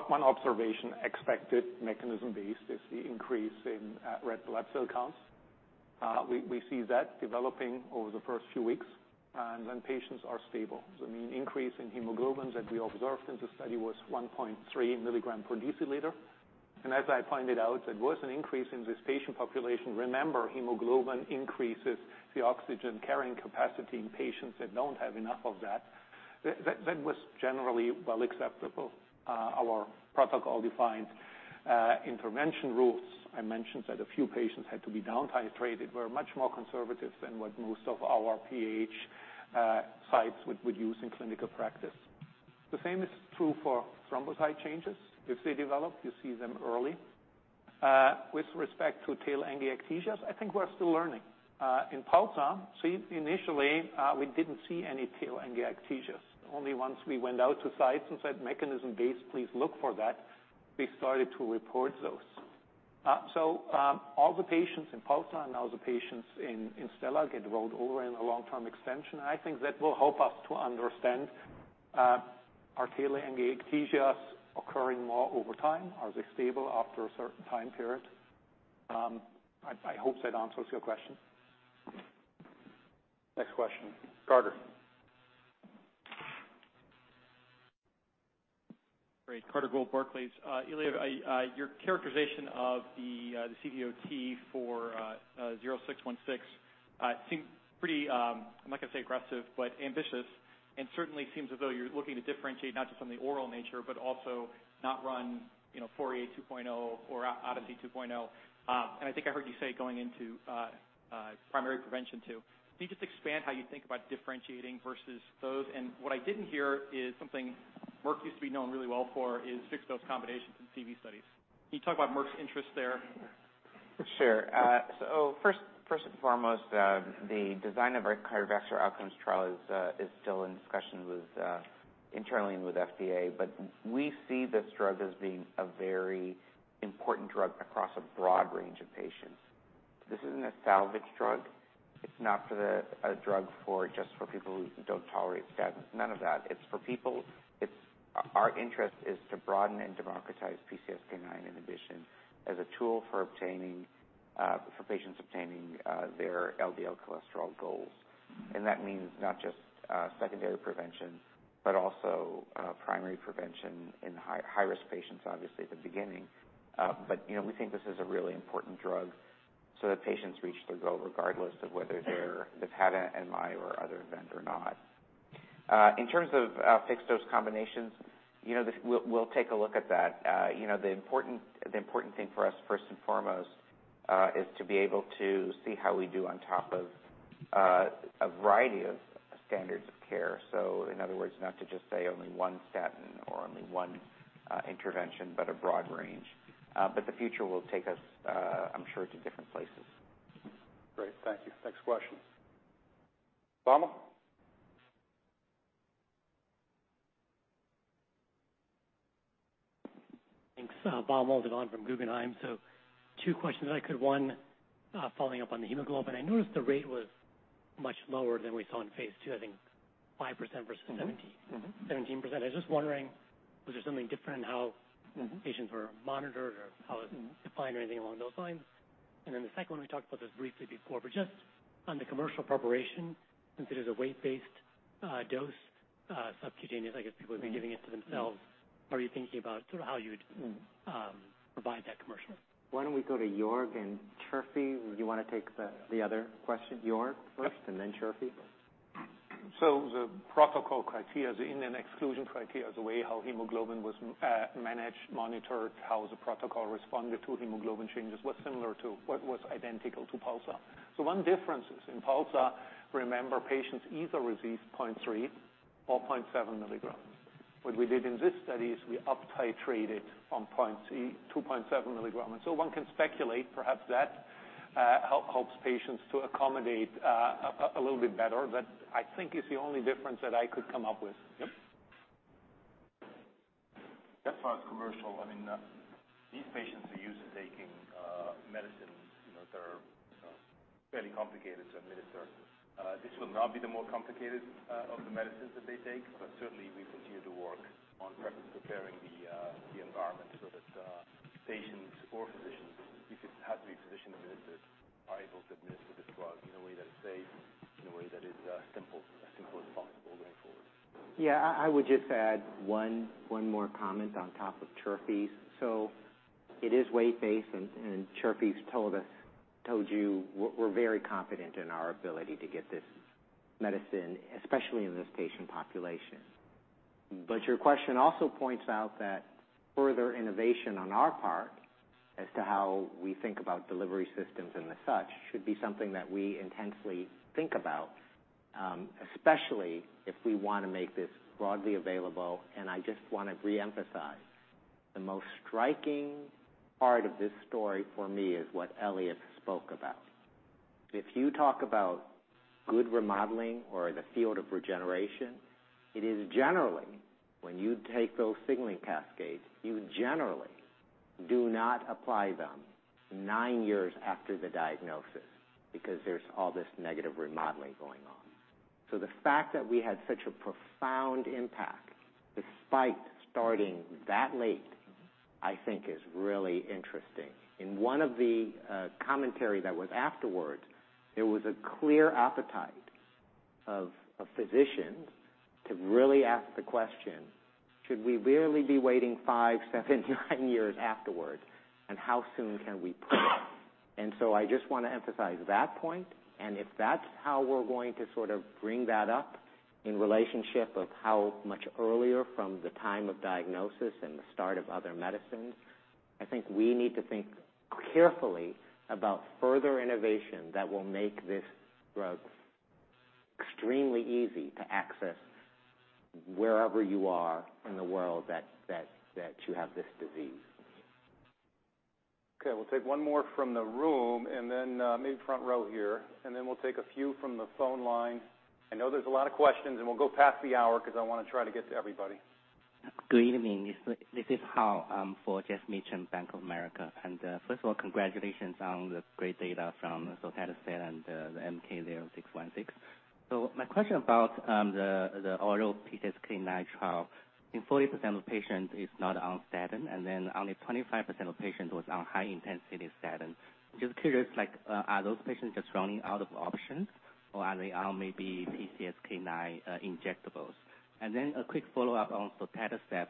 One observation, expected mechanism-based, is the increase in red blood cell counts. We see that developing over the first few weeks, and when patients are stable. The mean increase in hemoglobin that we observed in the study was 1.3 mg/dl. As I pointed out, there was an increase in this patient population. Remember, hemoglobin increases the oxygen carrying capacity in patients that don't have enough of that. That was generally well acceptable. Our protocol-defined intervention rules, I mentioned that a few patients had to be down titrated, were much more conservative than what most of our PAH sites would use in clinical practice. The same is true for thrombocyte changes. If they develop, you see them early. With respect to telangiectasia, I think we're still learning. In PULSAR, see, initially, we didn't see any telangiectasia. Only once we went out to sites and said, "Mechanism-based, please look for that," we started to report those. All the patients in PULSAR, now the patients in STELLAR get enrolled over in a long-term extension. I think that will help us to understand, are telangiectasia occurring more over time? Are they stable after a certain time period? I hope that answers your question. Next question, Carter. Great. Carter Gould, Barclays. Iliad, your characterization of the CVOT for 0616, seem pretty, I'm not gonna say aggressive, but ambitious. Certainly seems as though you're looking to differentiate not just on the oral nature, but also not run 48 2.0 or ODYSSEY 2.0. I think I heard you say going into primary prevention too. Can you just expand how you think about differentiating versus those? What I didn't hear is something Merck used to be known really well for is fixed-dose combinations in CV studies. Can you talk about Merck's interest there? Sure. So first and foremost, the design of our cardiovascular outcomes trial is still in discussion with internally and with FDA. We see this drug as being a very important drug across a broad range of patients. This isn't a salvage drug. It's not a drug for just for people who don't tolerate statins, none of that. It's for people. Our interest is to broaden and democratize PCSK9 inhibition as a tool for obtaining for patients obtaining their LDL cholesterol goals. That means not just secondary prevention, but also primary prevention in high-risk patients, obviously, at the beginning. You know, we think this is a really important drug so that patients reach their goal regardless of whether they're, they've had an MI or other event or not. In terms of fixed-dose combinations, you know, we'll take a look at that. you know, the important thing for us first and foremost is to be able to see how we do on top of a variety of standards of care. In other words, not to just say only one statin or only one intervention, but a broad range. The future will take us, I'm sure, to different places. Great. Thank you. Next question. Vamil? Thanks. Vamil Divan from Guggenheim. Two questions if I could. One, following up on the hemoglobin. I noticed the rate was much lower than we saw in phase II, I think 5% versus-. Mm-hmm. 17%. I was just wondering, was there something different Mm-hmm. patients were monitored or how it's defined or anything along those lines? Then the second one, we talked about this briefly before, but just on the commercial preparation, since it is a weight-based, dose, subcutaneous, I guess people would be giving it to themselves. Are you thinking about sort of how you'd, provide that commercial? Why don't we go to Joerg Chirfi? You wanna take the other question? Joerg first and then Chirfi. The protocol criteria and then exclusion criteria, the way how hemoglobin was managed, monitored, how the protocol responded to hemoglobin changes was identical to PULSAR. One difference is in PULSAR, remember, patients either received 0.3 mg or 0.7 mg. What we did in this study is we uptitrated from 0.2 mg-0.7 mg. One can speculate perhaps that helps patients to accommodate a little bit better. I think it's the only difference that I could come up with. Yep. As far as commercial, I mean, these patients are used to taking, medicines, you know, that are, fairly complicated to administer. This will not be the more complicated, of the medicines that they take, but certainly we continue to work on pre-preparing the environment so that, patients or physicians, if it had to be physician administered, are able to administer this drug in a way that's safe, in a way that is, simple, as simple as possible going forward. I would just add 1 more comment on top of Chirfi's. It is weight-based, and Chirfi's told us, told you we're very confident in our ability to get this medicine, especially in this patient population. Your question also points out that further innovation on our part as to how we think about delivery systems and the such should be something that we intensely think about, especially if we wanna make this broadly available. I just wanna reemphasize, the most striking part of this story for me is what Eliav spoke about. If you talk about good remodeling or the field of regeneration, it is generally when you take those signaling cascades, you generally do not apply them 9 years after the diagnosis because there's all this negative remodeling going on. The fact that we had such a profound impact despite starting that late, I think is really interesting. In one of the commentary that was afterwards, there was a clear appetite of physicians to really ask the question, should we really be waiting five, seven, nine years afterwards, and how soon can we put it? I just wanna emphasize that point, and if that's how we're going to sort of bring that up in relationship of how much earlier from the time of diagnosis and the start of other medicines, I think we need to think carefully about further innovation that will make this drug extremely easy to access wherever you are in the world that you have this disease. Okay. We'll take one more from the room and then, maybe front row here, and then we'll take a few from the phone line. I know there's a lot of questions, and we'll go past the hour because I wanna try to get to everybody. Good evening. This is Hao, for Geoff Meacham, Bank of America. First of all, congratulations on the great data from sotatercept and the MK-0616. My question about the oral PCSK9 trial. In 40% of patients is not on statin, only 25% of patients was on high-intensity statin. Just curious, like, are those patients just running out of options or are they on maybe PCSK9 injectables? A quick follow-up on sotatercept.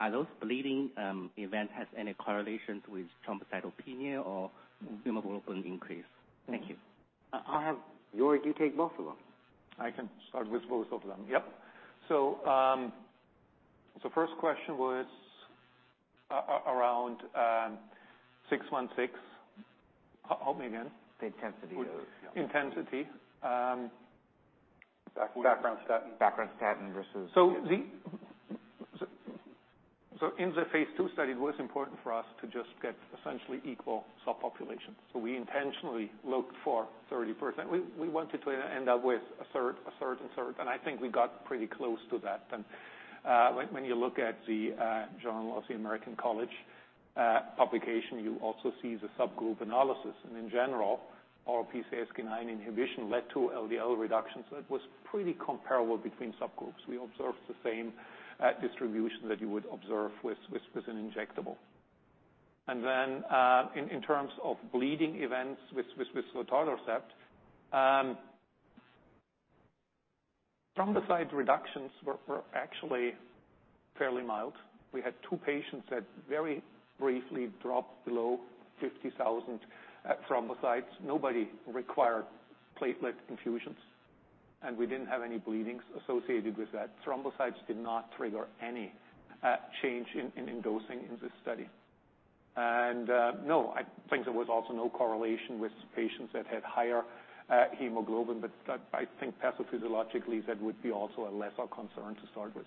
Are those bleeding event has any correlations with thrombocytopenia or hemoglobin increase? Thank you. I'll have Joerg, you take both of them. I can start with both of them. Yep. First question was around 616. Help me again. The intensity Intensity. Background statin. Background statin versus- In the phase II study, it was important for us to just get essentially equal subpopulation. We intentionally looked for 30%. We wanted to end up with a third, a third and third, and I think we got pretty close to that. When you look at the Journal of the American College of Cardiology publication, you also see the subgroup analysis. In general, our PCSK9 inhibition led to LDL reductions that was pretty comparable between subgroups. We observed the same distribution that you would observe with an injectable. In terms of bleeding events with sotatercept, thrombocyte reductions were actually fairly mild. We had two patients that very briefly dropped below 50,000 thrombocytes. Nobody required platelet infusions, and we didn't have any bleedings associated with that. Thrombocytes did not trigger any change in dosing in this study. No, I think there was also no correlation with patients that had higher hemoglobin. I think pathophysiologically, that would be also a lesser concern to start with.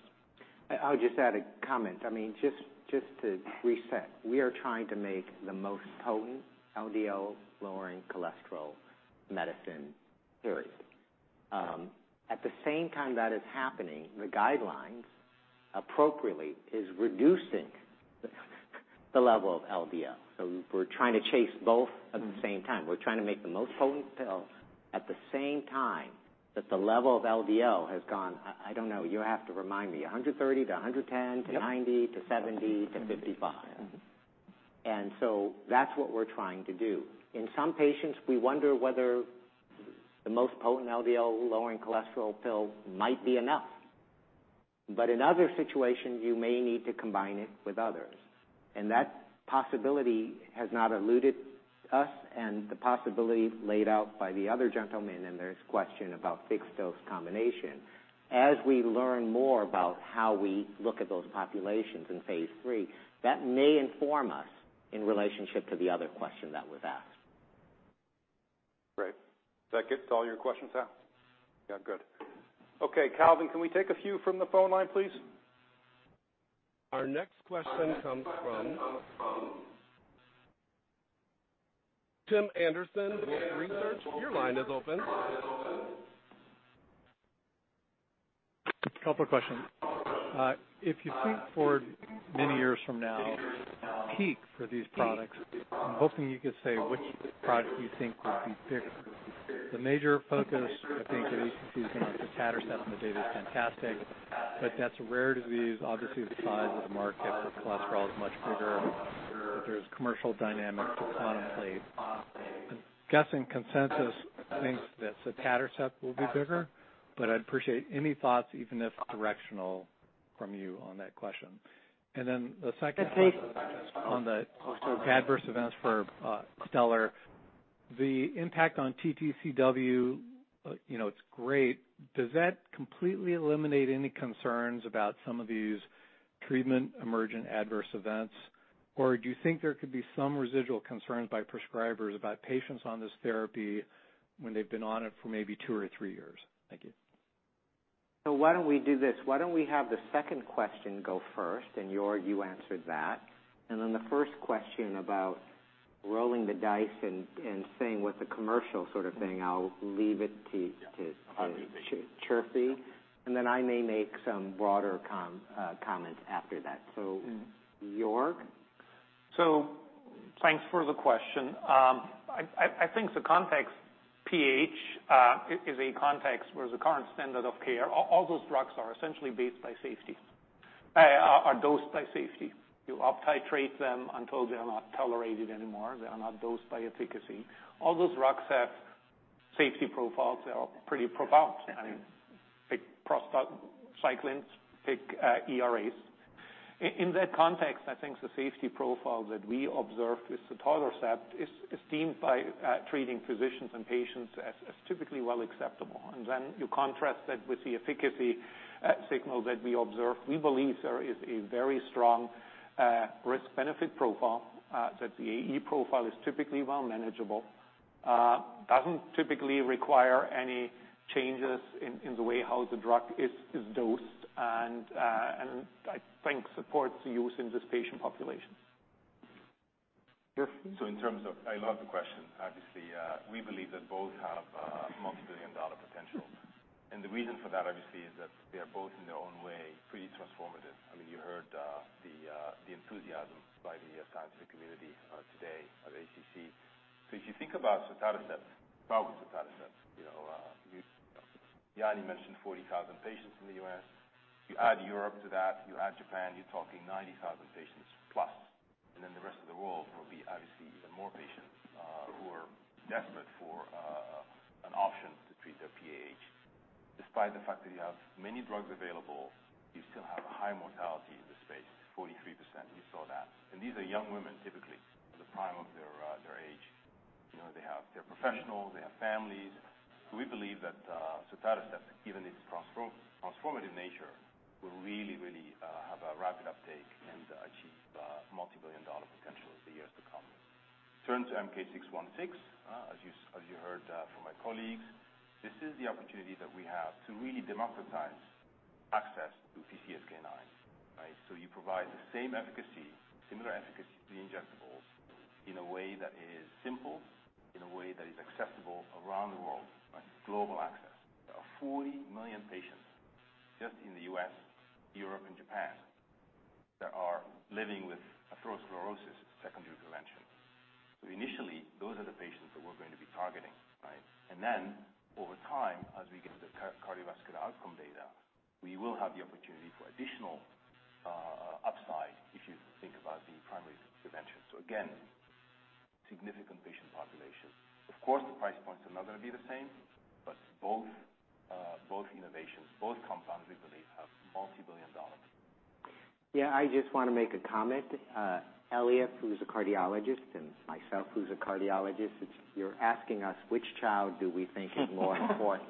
I'll just add a comment. I mean, just to reset, we are trying to make the most potent LDL-lowering cholesterol medicine, period. At the same time that is happening, the guidelines appropriately is reducing the level of LDL. We're trying to chase both at the same time. We're trying to make the most potent pills at the same time that the level of LDL has gone, I don't know, you have to remind me, 130 to 110... Yep. -to 90 to 70 to 55. Mm-hmm. That's what we're trying to do. In some patients, we wonder whether the most potent LDL lowering cholesterol pill might be enough. In other situations, you may need to combine it with others. That possibility has not eluded us and the possibility laid out by the other gentleman and there's question about fixed-dose combination. As we learn more about how we look at those populations in phase III, that may inform us in relationship to the other question that was asked. Great. That gets all your questions out? Yeah, good. Okay, Calvin, can we take a few from the phone line, please? Our next question comes from Tim Anderson, Wolfe Research. Your line is open. Couple of questions. If you think forward many years from now, peak for these products, I'm hoping you could say which product you think would be bigger? The major focus, I think, at least using sotatercept and the data is fantastic, but that's a rare disease. Obviously, the size of the market for cholesterol is much bigger, but there's commercial dynamics to contemplate. I'm guessing consensus thinks that sotatercept will be bigger, but I'd appreciate any thoughts, even if directional from you on that question? The second question- That's great. On the adverse events for, STELLAR. The impact on TTCW, you know, it's great. Does that completely eliminate any concerns about some of these treatment emergent adverse events? Do you think there could be some residual concerns by prescribers about patients on this therapy when they've been on it for maybe two or three years? Thank you. Why don't we do this? Why don't we have the second question go first. Joerg, you answered that. The first question about rolling the dice and saying what the commercial sort of thing, I'll leave it to Chirfi. I may make some broader comments after that. Joerg? Thanks for the question. I think the context PH is a context where the current standard of care, all those drugs are essentially based by safety. Are dosed by safety. You up titrate them until they are not tolerated anymore. They are not dosed by efficacy. All those drugs have safety profiles that are pretty profound. I mean, take Prostacyclins, take ERAs. In that context, I think the safety profile that we observed with sotatercept is deemed by treating physicians and patients as typically well acceptable. You contrast that with the efficacy signal that we observe. We believe there is a very strong risk-benefit profile that the AE profile is typically well manageable. Doesn't typically require any changes in the way how the drug is dosed, and I think supports use in this patient populations. Chirfi? In terms of... I love the question, obviously. We believe that both have a multi-billion dollar potential. The reason for that, obviously, is that they are both in their own way, pretty transformative. I mean, you heard, the enthusiasm by the scientific community today at ACC. If you think about sotatercept, you know, Jannie mentioned 40,000 patients in the U.S. You add Europe to that, you add Japan, you're talking 90,000 patients plus. Then the rest of the world will be obviously even more patients who are desperate for an option to treat their PH. Despite the fact that you have many drugs available, you still have a high mortality in this space. 43%, you saw that. These are young women, typically, the prime of their age. You know, they have their professionals, they have families. We believe that sotatercept, given its transformative nature, will really have a rapid uptake and achieve multi-billion dollar potential as the years to come. Turn to MK-0616. As you heard from my colleagues, this is the opportunity that we have to really democratize access to PCSK9. Right. You provide the same efficacy, similar efficacy to the injectables in a way that is simple, in a way that is acceptable around the world, right? Global access. There are 40 million patients just in the U.S., Europe and Japan that are living with atherosclerosis secondary prevention. Initially, those are the patients that we're going to be targeting, right? Over time, as we get the cardiovascular outcome data, we will have the opportunity for additional upside if you think about the primary prevention. Again, significant patient population. Of course, the price points are not going to be the same, but both innovations, both compounds we believe have multi-billion dollar potential. I just want to make a comment. Eliav, who's a cardiologist, and myself, who's a cardiologist, you're asking us which child do we think is more important.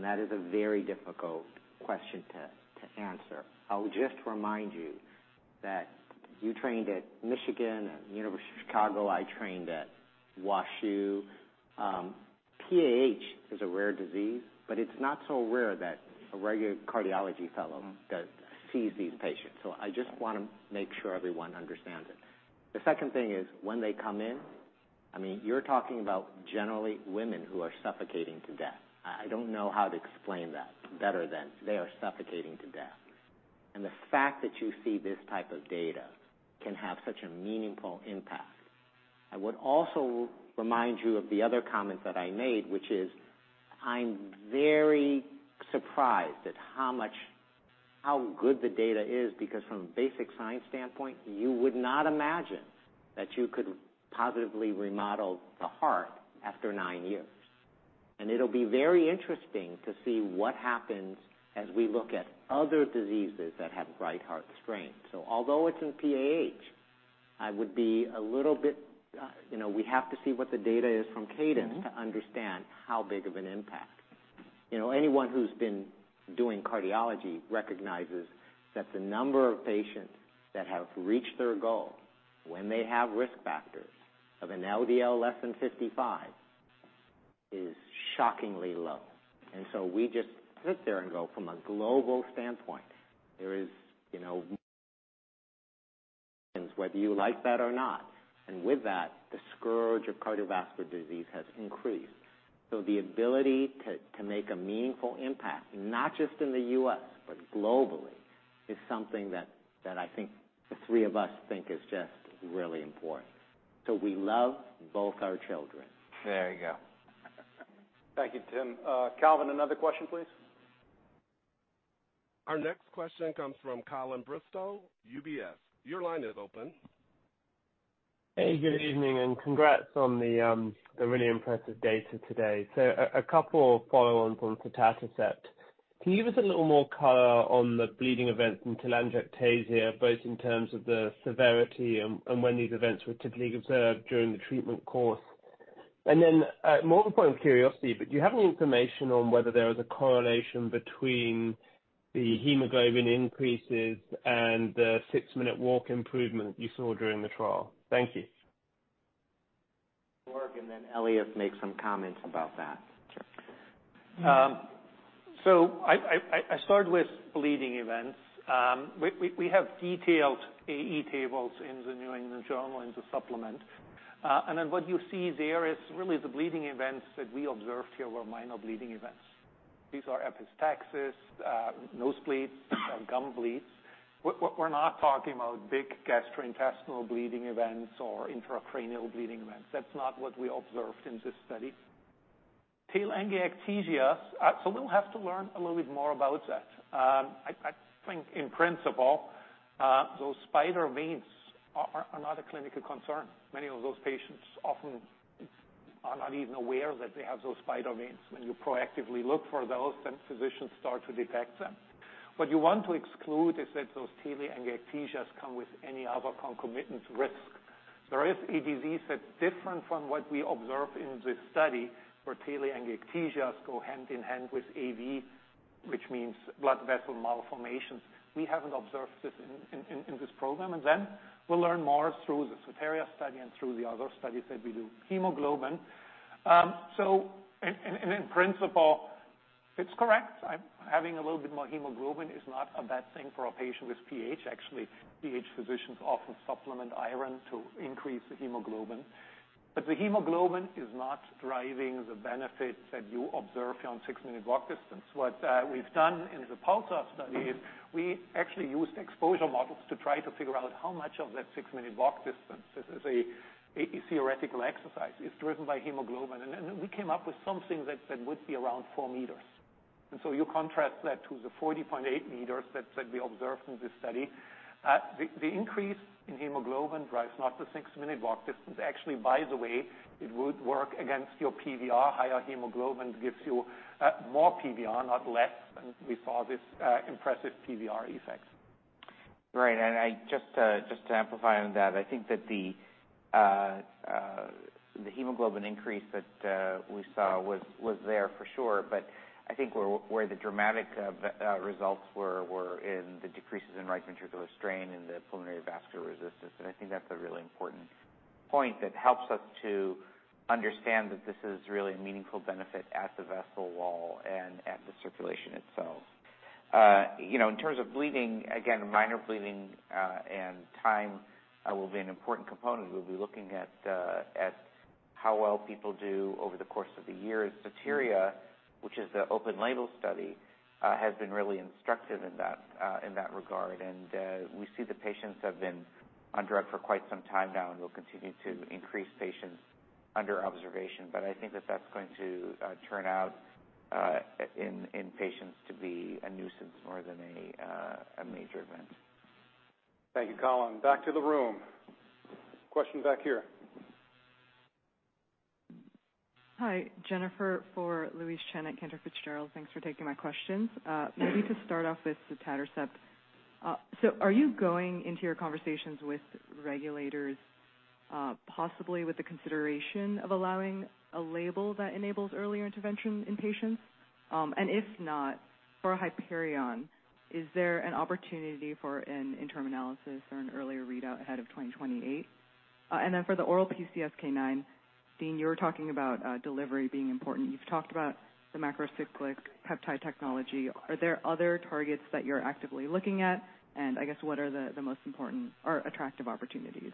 That is a very difficult question to answer. I'll just remind you that you trained at Michigan and University of Chicago. I trained at WashU. PAH is a rare disease, but it's not so rare that a regular cardiology fellow that sees these patients. I just want to make sure everyone understands it. The second thing is, when they come in, I mean, you're talking about generally women who are suffocating to death. I don't know how to explain that better than they are suffocating to death. The fact that you see this type of data can have such a meaningful impact. I would also remind you of the other comment that I made, which is I'm very surprised at how good the data is, because from a basic science standpoint, you would not imagine that you could positively remodel the heart after nine years. It'll be very interesting to see what happens as we look at other diseases that have right heart strain. Although it's in PAH, I would be a little bit, you know, we have to see what the data is from CADENCE to understand how big of an impact. You know, anyone who's been doing cardiology recognizes that the number of patients that have reached their goal when they have risk factors of an LDL less than 55 is shockingly low. We just sit there and go, from a global standpoint, there is, you know, whether you like that or not. With that, the scourge of cardiovascular disease has increased. The ability to make a meaningful impact, not just in the U.S., but globally, is something that I think the three of us think is just really important. We love both our children. There you go. Thank you, Tim. Calvin, another question, please. Our next question comes from Colin Bristow, UBS. Your line is open. Hey, good evening, and congrats on the really impressive data today. A couple follow on from sotatercept. Can you give us a little more color on the bleeding events and telangiectasia, both in terms of the severity and when these events were typically observed during the treatment course? More the point of curiosity, do you have any information on whether there is a correlation between the hemoglobin increases and the six-minute walk improvement you saw during the trial? Thank you. Joerg and then Eliav make some comments about that. Sure. Um-I start with bleeding events. We have detailed AE tables in The New England Journal in the supplement. What you see there is really the bleeding events that we observed here were minor bleeding events. These are epistaxis, nose bleeds, gum bleeds. We're not talking about big gastrointestinal bleeding events or intracranial bleeding events. That's not what we observed in this study. Telangiectasia, we'll have to learn a little bit more about that. I think in principle, those spider veins are not a clinical concern. Many of those patients often are not even aware that they have those spider veins. When you proactively look for those, physicians start to detect them. What you want to exclude is that those telangiectasia come with any other concomitant risk. There is a disease that's different from what we observe in this study, where telangiectasia go hand in hand with arteriovenous, which means blood vessel malformations. We haven't observed this in this program. Then we'll learn more through the SOTERIA study and through the other studies that we do. Hemoglobin. In principle, it's correct. Having a little bit more hemoglobin is not a bad thing for a patient with PH. Actually, PH physicians often supplement iron to increase the hemoglobin. The hemoglobin is not driving the benefit that you observe here on six-minute walk distance. What we've done in the PULSAR study is we actually used exposure models to try to figure out how much of that six-minute walk distance. This is a theoretical exercise. It's driven by hemoglobin. We came up with something that would be around 4 m. You contrast that to the 40.8 m that we observed in this study. The increase in hemoglobin drives not the six-minute walk distance. Actually, by the way, it would work against your PVR. Higher hemoglobin gives you more PVR, not less, and we saw this impressive PVR effects. Right. I just to amplify on that, I think that the hemoglobin increase that we saw was there for sure. I think where the dramatic results were in the decreases in right ventricular strain and the pulmonary vascular resistance. I think that's a really important.... point that helps us to understand that this is really a meaningful benefit at the vessel wall and at the circulation itself. You know, in terms of bleeding, again, minor bleeding, and time will be an important component. We'll be looking at how well people do over the course of the year. SOTERIA, which is the open label study, has been really instructive in that in that regard. We see the patients have been on drug for quite some time now, and we'll continue to increase patients under observation. I think that that's going to turn out in patients to be a nuisance more than a major event. Thank you, Colin. Back to the room. Question back here. Hi, Jennifer for Louise Chen at Cantor Fitzgerald. Thanks for taking my questions. Maybe to start off with sotatercept. Are you going into your conversations with regulators, possibly with the consideration of allowing a label that enables earlier intervention in patients? If not, for HYPERION, is there an opportunity for an interim analysis or an earlier readout ahead of 2028? For the oral PCSK9, Dean, you were talking about delivery being important. You've talked about the macrocyclic peptide technology. Are there other targets that you're actively looking at? I guess, what are the most important or attractive opportunities?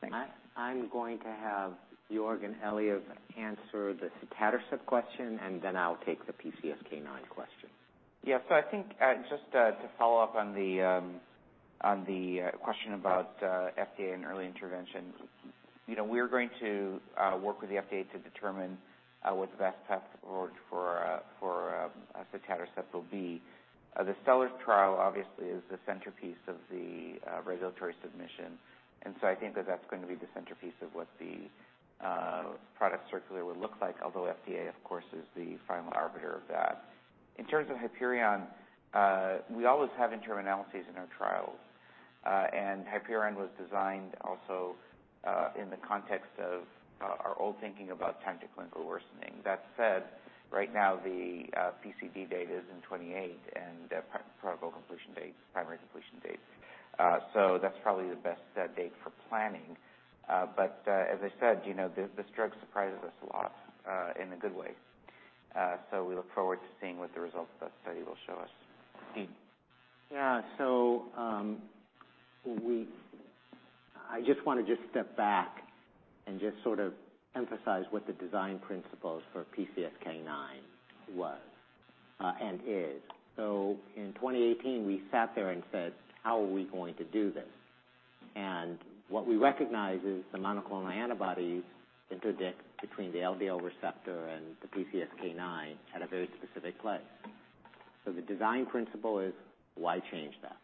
Thanks. I'm going to have Joerg and Eliav answer the sotatercept question, and then I'll take the PCSK9 question. Yeah. I think, just to follow up on the question about FDA and early intervention. You know, we're going to work with the FDA to determine what the best path forward for sotatercept will be. The STELLAR trial obviously is the centerpiece of the regulatory submission. I think that that's gonna be the centerpiece of what the product circular will look like, although FDA, of course, is the final arbiter of that. In terms of HYPERION, we always have interim analyses in our trials. HYPERION was designed also in the context of our old thinking about time to clinical worsening. That said, right now the PCB date is in 28 and protocol completion date, primary completion date. That's probably the best date for planning. As I said, you know, this drug surprises us a lot in a good way. We look forward to seeing what the results of that study will show us. Dean. Yeah. I just wanna just step back and just sort of emphasize what the design principles for PCSK9 was and is. In 2018, we sat there and said, "How are we going to do this?" What we recognized is the monoclonal antibodies interdict between the LDL receptor and the PCSK9 at a very specific place. The design principle is why change that?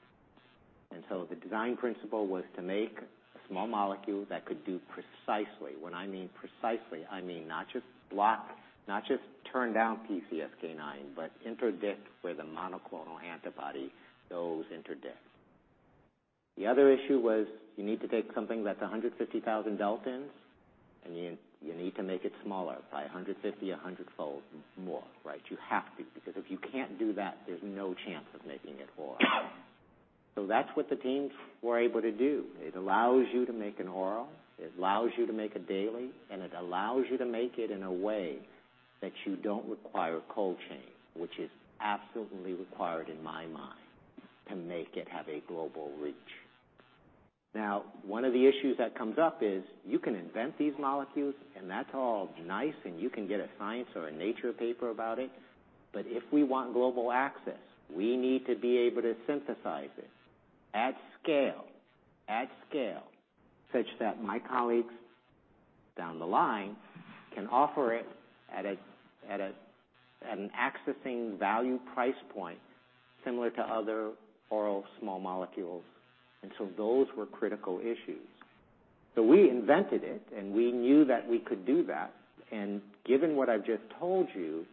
The design principle was to make a small molecule that could do precisely. When I mean precisely, I mean not just block, not just turn down PCSK9, but interdict where the monoclonal antibody goes interdict. The other issue was you need to take something that's 150,000 daltons, and you need to make it smaller by 150, 100-fold more, right? You have to. If you can't do that, there's no chance of making it oral. That's what the teams were able to do. It allows you to make an oral, it allows you to make a daily, and it allows you to make it in a way that you don't require cold chain, which is absolutely required in my mind to make it have a global reach. One of the issues that comes up is you can invent these molecules, and that's all nice, and you can get a science or a nature paper about it. If we want global access, we need to be able to synthesize it at scale, such that my colleagues down the line can offer it at an accessing value price point similar to other oral small molecules. Those were critical issues. We invented it, and we knew that we could do that. Given what I've just told you,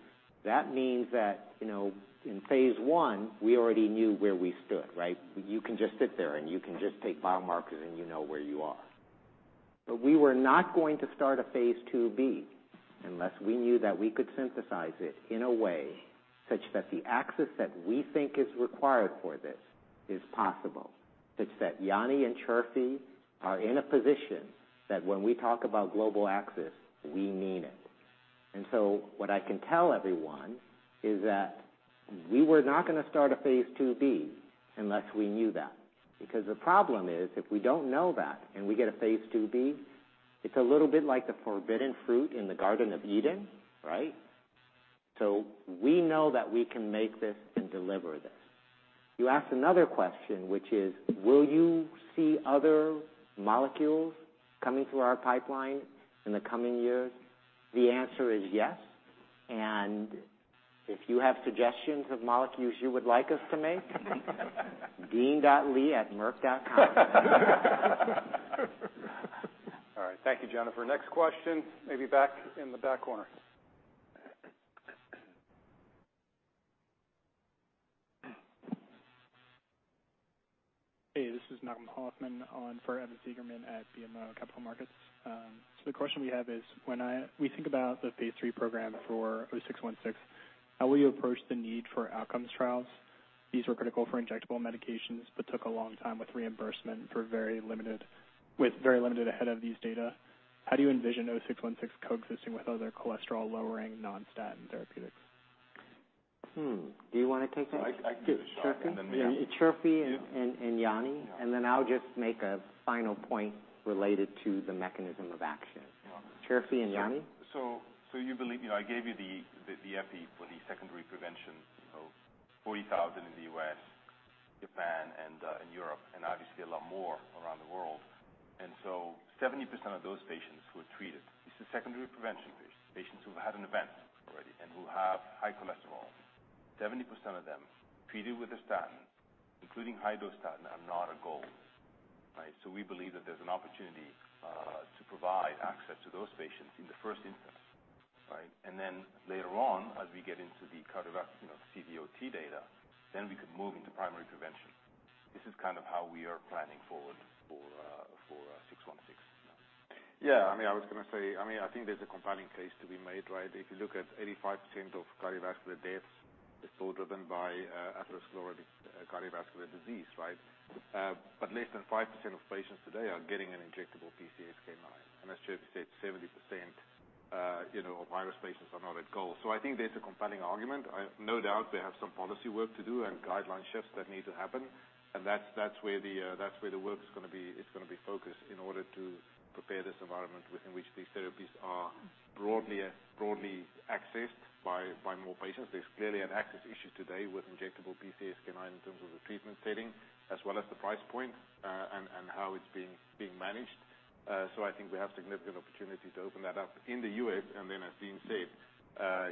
that means that, you know, in phase I, we already knew where we stood, right? You can just sit there, and you can just take biomarkers, and you know where you are. We were not going to start a phase II-B unless we knew that we could synthesize it in a way such that the access that we think is required for this is possible, such that Jannie and Chirfi are in a position that when we talk about global access, we mean it. What I can tell everyone is that we were not gonna start a phase II-B unless we knew that. The problem is, if we don't know that and we get a phase II-B, it's a little bit like the forbidden fruit in the Garden of Eden, right? We know that we can make this and deliver this. You asked another question, which is, will you see other molecules coming through our pipeline in the coming years? The answer is yes. If you have suggestions of molecules you would like us to make. Dean.lee@merck.com. All right. Thank you, Jennifer. Next question, maybe back in the back corner. Hey, this is Malcolm Hoffman on for Evan Seigerman at BMO Capital Markets. The question we have is, when we think about the phase III program for MK-0616, how will you approach the need for outcomes trials? These were critical for injectable medications, but took a long time with reimbursement for very limited ahead of these data. How do you envision MK-0616 coexisting with other cholesterol-lowering non-statin therapeutics? Hmm. Do you want to take that? I can give a shot. Chirfi? Yeah. Chirfi and Jannie. Yeah. Then I'll just make a final point related to the mechanism of action. Yeah. Chirfi and Jannie. You believe-- You know, I gave you the epi for the secondary prevention of 40,000 in the U.S., Japan, and in Europe, and obviously a lot more around the world. 70% of those patients who are treated, this is secondary prevention patients who've had an event already and who have high cholesterol. 70% of them treated with a statin, including high-dose statin, are not a goal. Right? We believe that there's an opportunity to provide access to those patients in the first instance, right? Later on, as we get into the cardiovascular, you know, CVOT data, then we can move into primary prevention. This is kind of how we are planning forward for MK-0616. Yeah. I mean, I was gonna say. I mean, I think there's a compelling case to be made, right? If you look at 85% of cardiovascular deaths is all driven by atherosclerotic cardiovascular disease, right? Less than 5% of patients today are getting an injectable PCSK9. As Chirfi said, 70%, you know, virus patients are not at goal. I think there's a compelling argument. No doubt they have some policy work to do and guideline shifts that need to happen. That's where the work is gonna be, it's gonna be focused in order to prepare this environment within which these therapies are broadly accessed by more patients. There's clearly an access issue today with injectable PCSK9 in terms of the treatment setting as well as the price point, and how it's being managed. I think we have significant opportunity to open that up in the U.S., and then as being said,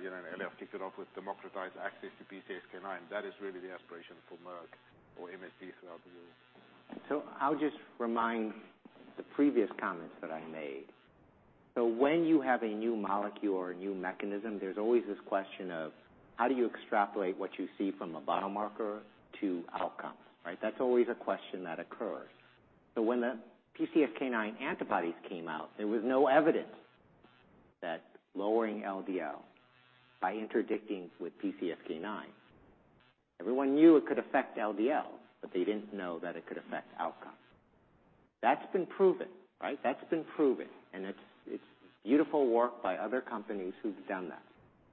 you know, earlier I kicked it off with democratized access to PCSK9. That is really the aspiration for Merck or MSD throughout the world. I'll just remind the previous comments that I made. When you have a new molecule or a new mechanism, there's always this question of how do you extrapolate what you see from a biomarker to outcome, right? That's always a question that occurs. When the PCSK9 antibodies came out, there was no evidence that lowering LDL by interdicting with PCSK9. Everyone knew it could affect LDL, but they didn't know that it could affect outcome. That's been proven, right? That's been proven, and it's beautiful work by other companies who've done that,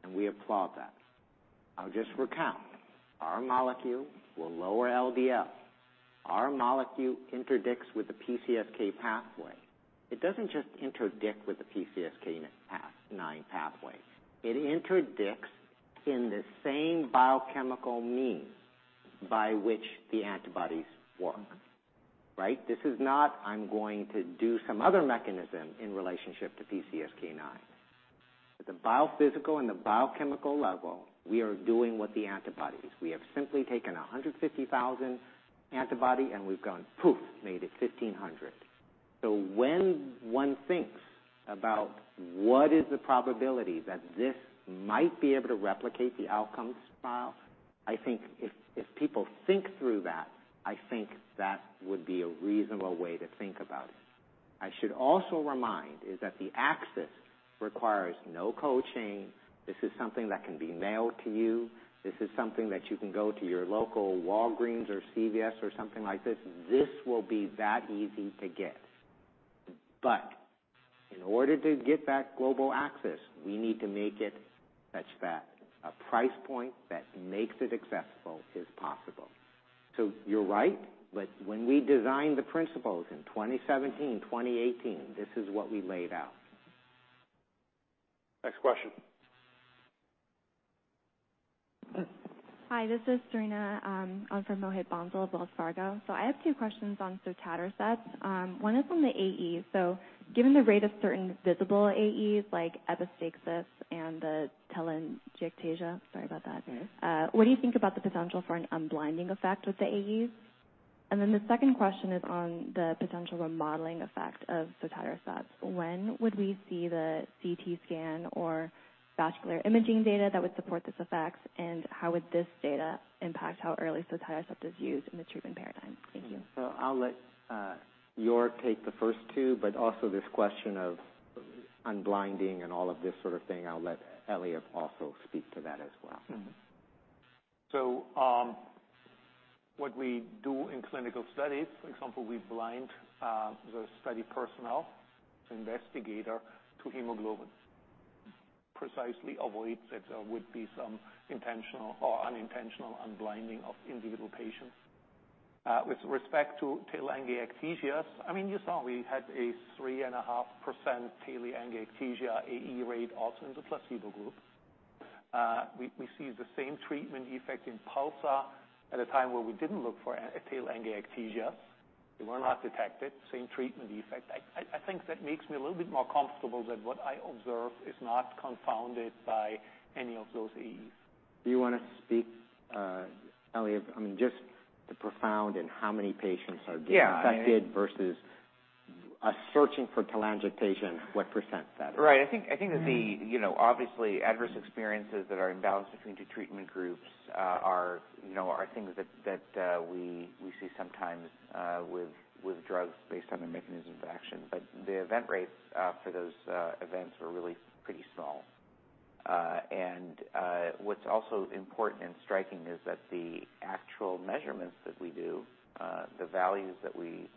and we applaud that. I'll just recount. Our molecule will lower LDL. Our molecule interdicts with the PCSK pathway. It doesn't just interdict with the PCSK9 pathway. It interdicts in the same biochemical mean by which the antibodies work, right? This is not, "I'm going to do some other mechanism in relationship to PCSK9." At the biophysical and the biochemical level, we are doing what the antibodies. We have simply taken 150,000 antibody and we've gone, poof, made it 1,500. When one thinks about what is the probability that this might be able to replicate the outcomes trial, I think if people think through that, I think that would be a reasonable way to think about it. I should also remind is that the access requires no cold chain. This is something that can be mailed to you. This is something that you can go to your local Walgreens or CVS or something like this. This will be that easy to get. In order to get that global access, we need to make it such that a price point that makes it accessible is possible. You're right, but when we designed the principles in 2017, 2018, this is what we laid out. Next question. Hi, this is Cerena. I'm from Mohit Bansal, Wells Fargo. I have two questions on sotatercept. One is on the AEs. Given the rate of certain visible AEs like epistaxis and the telangiectasia. Sorry about that. Yes. What do you think about the potential for an unblinding effect with the AEs? The second question is on the potential remodeling effect of sotatercept. When would we see the CT scan or vascular imaging data that would support this effect? How would this data impact how early sotatercept is used in the treatment paradigm? Thank you. I'll let Joerg take the first two, but also this question of unblinding and all of this sort of thing. I'll let Eliav also speak to that as well. What we do in clinical studies, for example, we blind the study personnel, the investigator to hemoglobin. Precisely avoids that there would be some intentional or unintentional unblinding of individual patients. With respect to telangiectasia, I mean, you saw we had a 3.5% telangiectasia AE rate also in the placebo groups. We see the same treatment effect in PULSAR at a time where we didn't look for a telangiectasia. They were not detected, same treatment effect. I think that makes me a little bit more comfortable that what I observe is not confounded by any of those AEs. Do you wanna speak, Eliav? I mean, just the profound and how many patients are being affected- Yeah. versus us searching for telangiectasia and what % that is. Right. I think that the, you know, obviously adverse experiences that are imbalanced between the treatment groups, are, you know, are things that we see sometimes, with drugs based on their mechanisms of action. The event rates for those events were really pretty small. What's also important and striking is that the actual measurements that we do, the values that we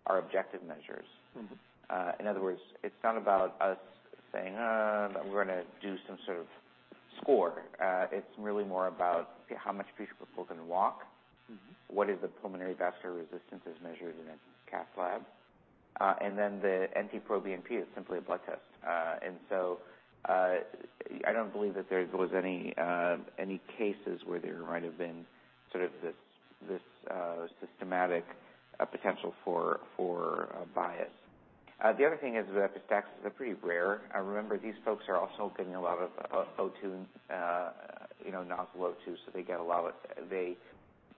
measure are objective measures. Mm-hmm. In other words, it's not about us saying, we're gonna do some sort of score. It's really more about how much people can walk. Mm-hmm. What is the pulmonary vascular resistance as measured in a cath lab? The NT-proBNP is simply a blood test. I don't believe that there was any cases where there might have been sort of this systematic potential for bias. The other thing is that epistaxis are pretty rare. I remember these folks are also getting a lot of O2, you know, nasal O2. They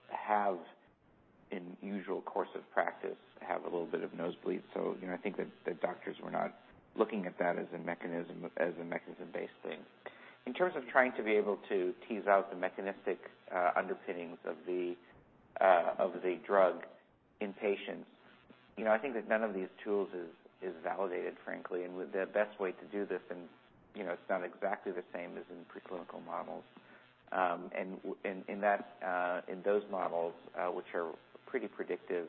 have in usual course of practice, have a little bit of nosebleeds. You know, I think that the doctors were not looking at that as a mechanism-based thing. In terms of trying to be able to tease out the mechanistic underpinnings of the drug in patients, you know, I think that none of these tools is validated, frankly. The best way to do this, and you know, it's not exactly the same as in preclinical models. In that, in those models, which are pretty predictive,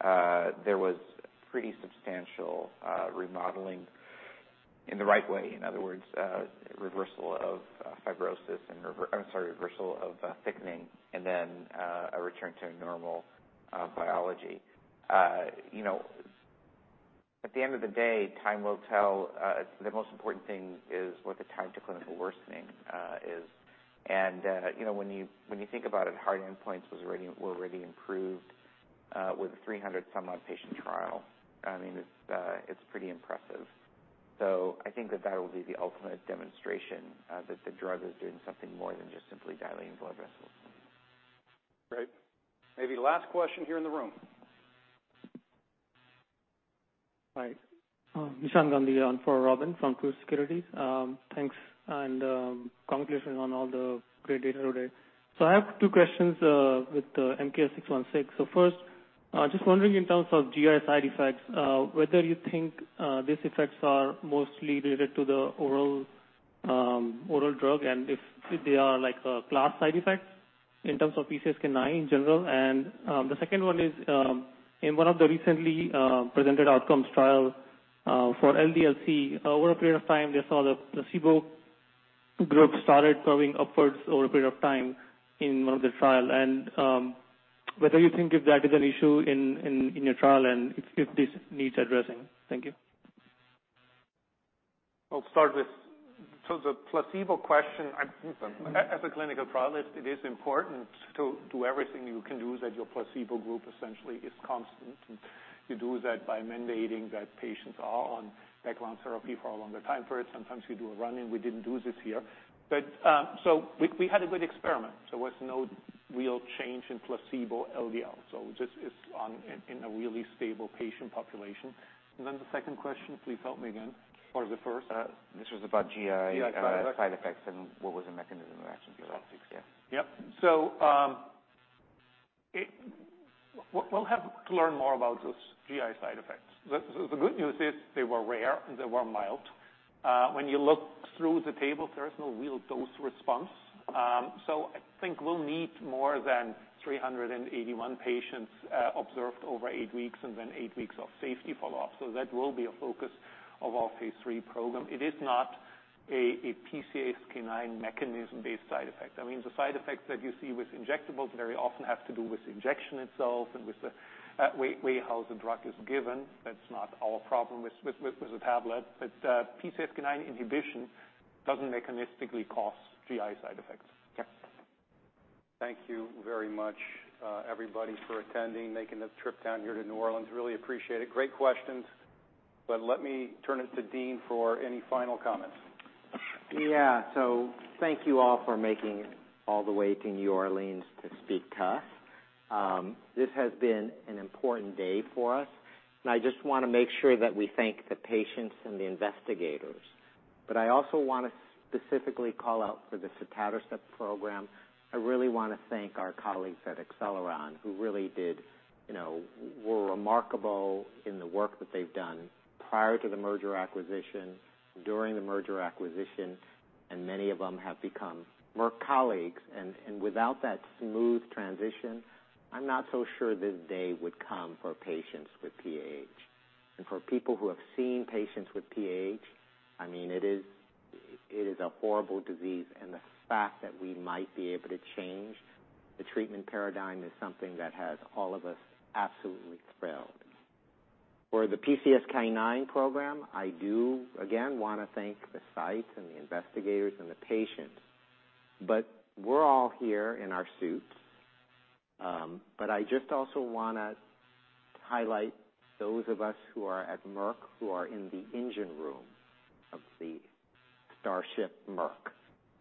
there was pretty substantial remodeling in the right way. In other words, reversal of fibrosis and I'm sorry, reversal of thickening and then a return to normal biology. You know, at the end of the day, time will tell. The most important thing is what the time to clinical worsening is. You know, when you, when you think about it, hard endpoints was already, were already improved, with a 300 somewhat patient trial. I mean, it's pretty impressive. I think that that will be the ultimate demonstration, that the drug is doing something more than just simply dilating blood vessels. Great. Maybe last question here in the room. Hi. Nishant Gandhi on for Robin from Truist Securities. Thanks, and congratulations on all the great data today. I have two questions with the MK-0616. First, just wondering in terms of GI side effects, whether you think these effects are mostly related to the oral drug, and if they are like a class side effect in terms of PCSK9 in general. The second one is in 1 of the recently presented outcomes trial for LDLC, over a period of time, we saw the placebo group started curving upwards over a period of time in one of the trial. Whether you think if that is an issue in your trial and if this needs addressing. Thank you. I'll start with the placebo question. As a clinical trialist, it is important to do everything you can do that your placebo group essentially is constant. You do that by mandating that patients are on background therapy for a longer time frame. Sometimes you do a run, and we didn't do this here. We had a good experiment. There was no real change in placebo LDL, so just is on in a really stable patient population. The second question, please help me again. Or the first. This was about. GI side effects -side effects what was the mechanism of action for that. Yes. Yep. We'll have to learn more about those GI side effects. The good news is they were rare, and they were mild. When you look through the table, there is no real dose response. I think we'll need more than 381 patients observed over eight weeks and then eight weeks of safety follow-up. That will be a focus of our phase III program. It is not a PCSK9 mechanism-based side effect. I mean, the side effects that you see with injectables very often have to do with the injection itself and with the way how the drug is given. That's not our problem with the tablet. PCSK9 inhibition doesn't mechanistically cause GI side effects. Yeah. Thank you very much, everybody for attending, making the trip down here to New Orleans. Really appreciate it. Great questions. Let me turn it to Dean for any final comments. Thank you all for making it all the way to New Orleans to speak to us. This has been an important day for us, and I just wanna make sure that we thank the patients and the investigators. I also wanna specifically call out for the sotatercept program. I really wanna thank our colleagues at Acceleron, who really did, you know, were remarkable in the work that they've done prior to the merger acquisition, during the merger acquisition, and many of them have become Merck colleagues, and without that smooth transition, I'm not so sure this day would come for patients with PAH. For people who have seen patients with PAH, I mean, it is, it is a horrible disease, and the fact that we might be able to change the treatment paradigm is something that has all of us absolutely thrilled. For the PCSK9 program, I do, again, wanna thank the sites and the investigators and the patients, but we're all here in our suits, but I just also wanna highlight those of us who are at Merck who are in the engine room of the Starship Merck,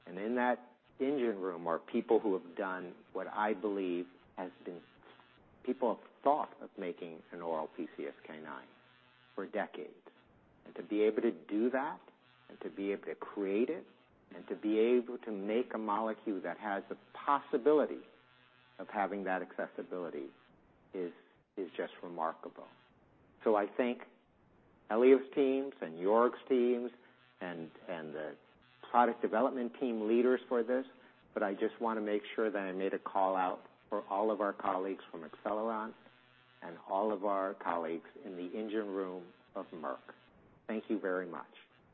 and in that engine room are people who have done what I believe has been... People have thought of making an oral PCSK9 for decades, and to be able to do that and to be able to create it and to be able to make a molecule that has the possibility of having that accessibility is just remarkable. I thank Eliav's teams and Joerg's teams and the product development team leaders for this, but I just wanna make sure that I made a call-out for all of our colleagues from Acceleron and all of our colleagues in the engine room of Merck. Thank you very much.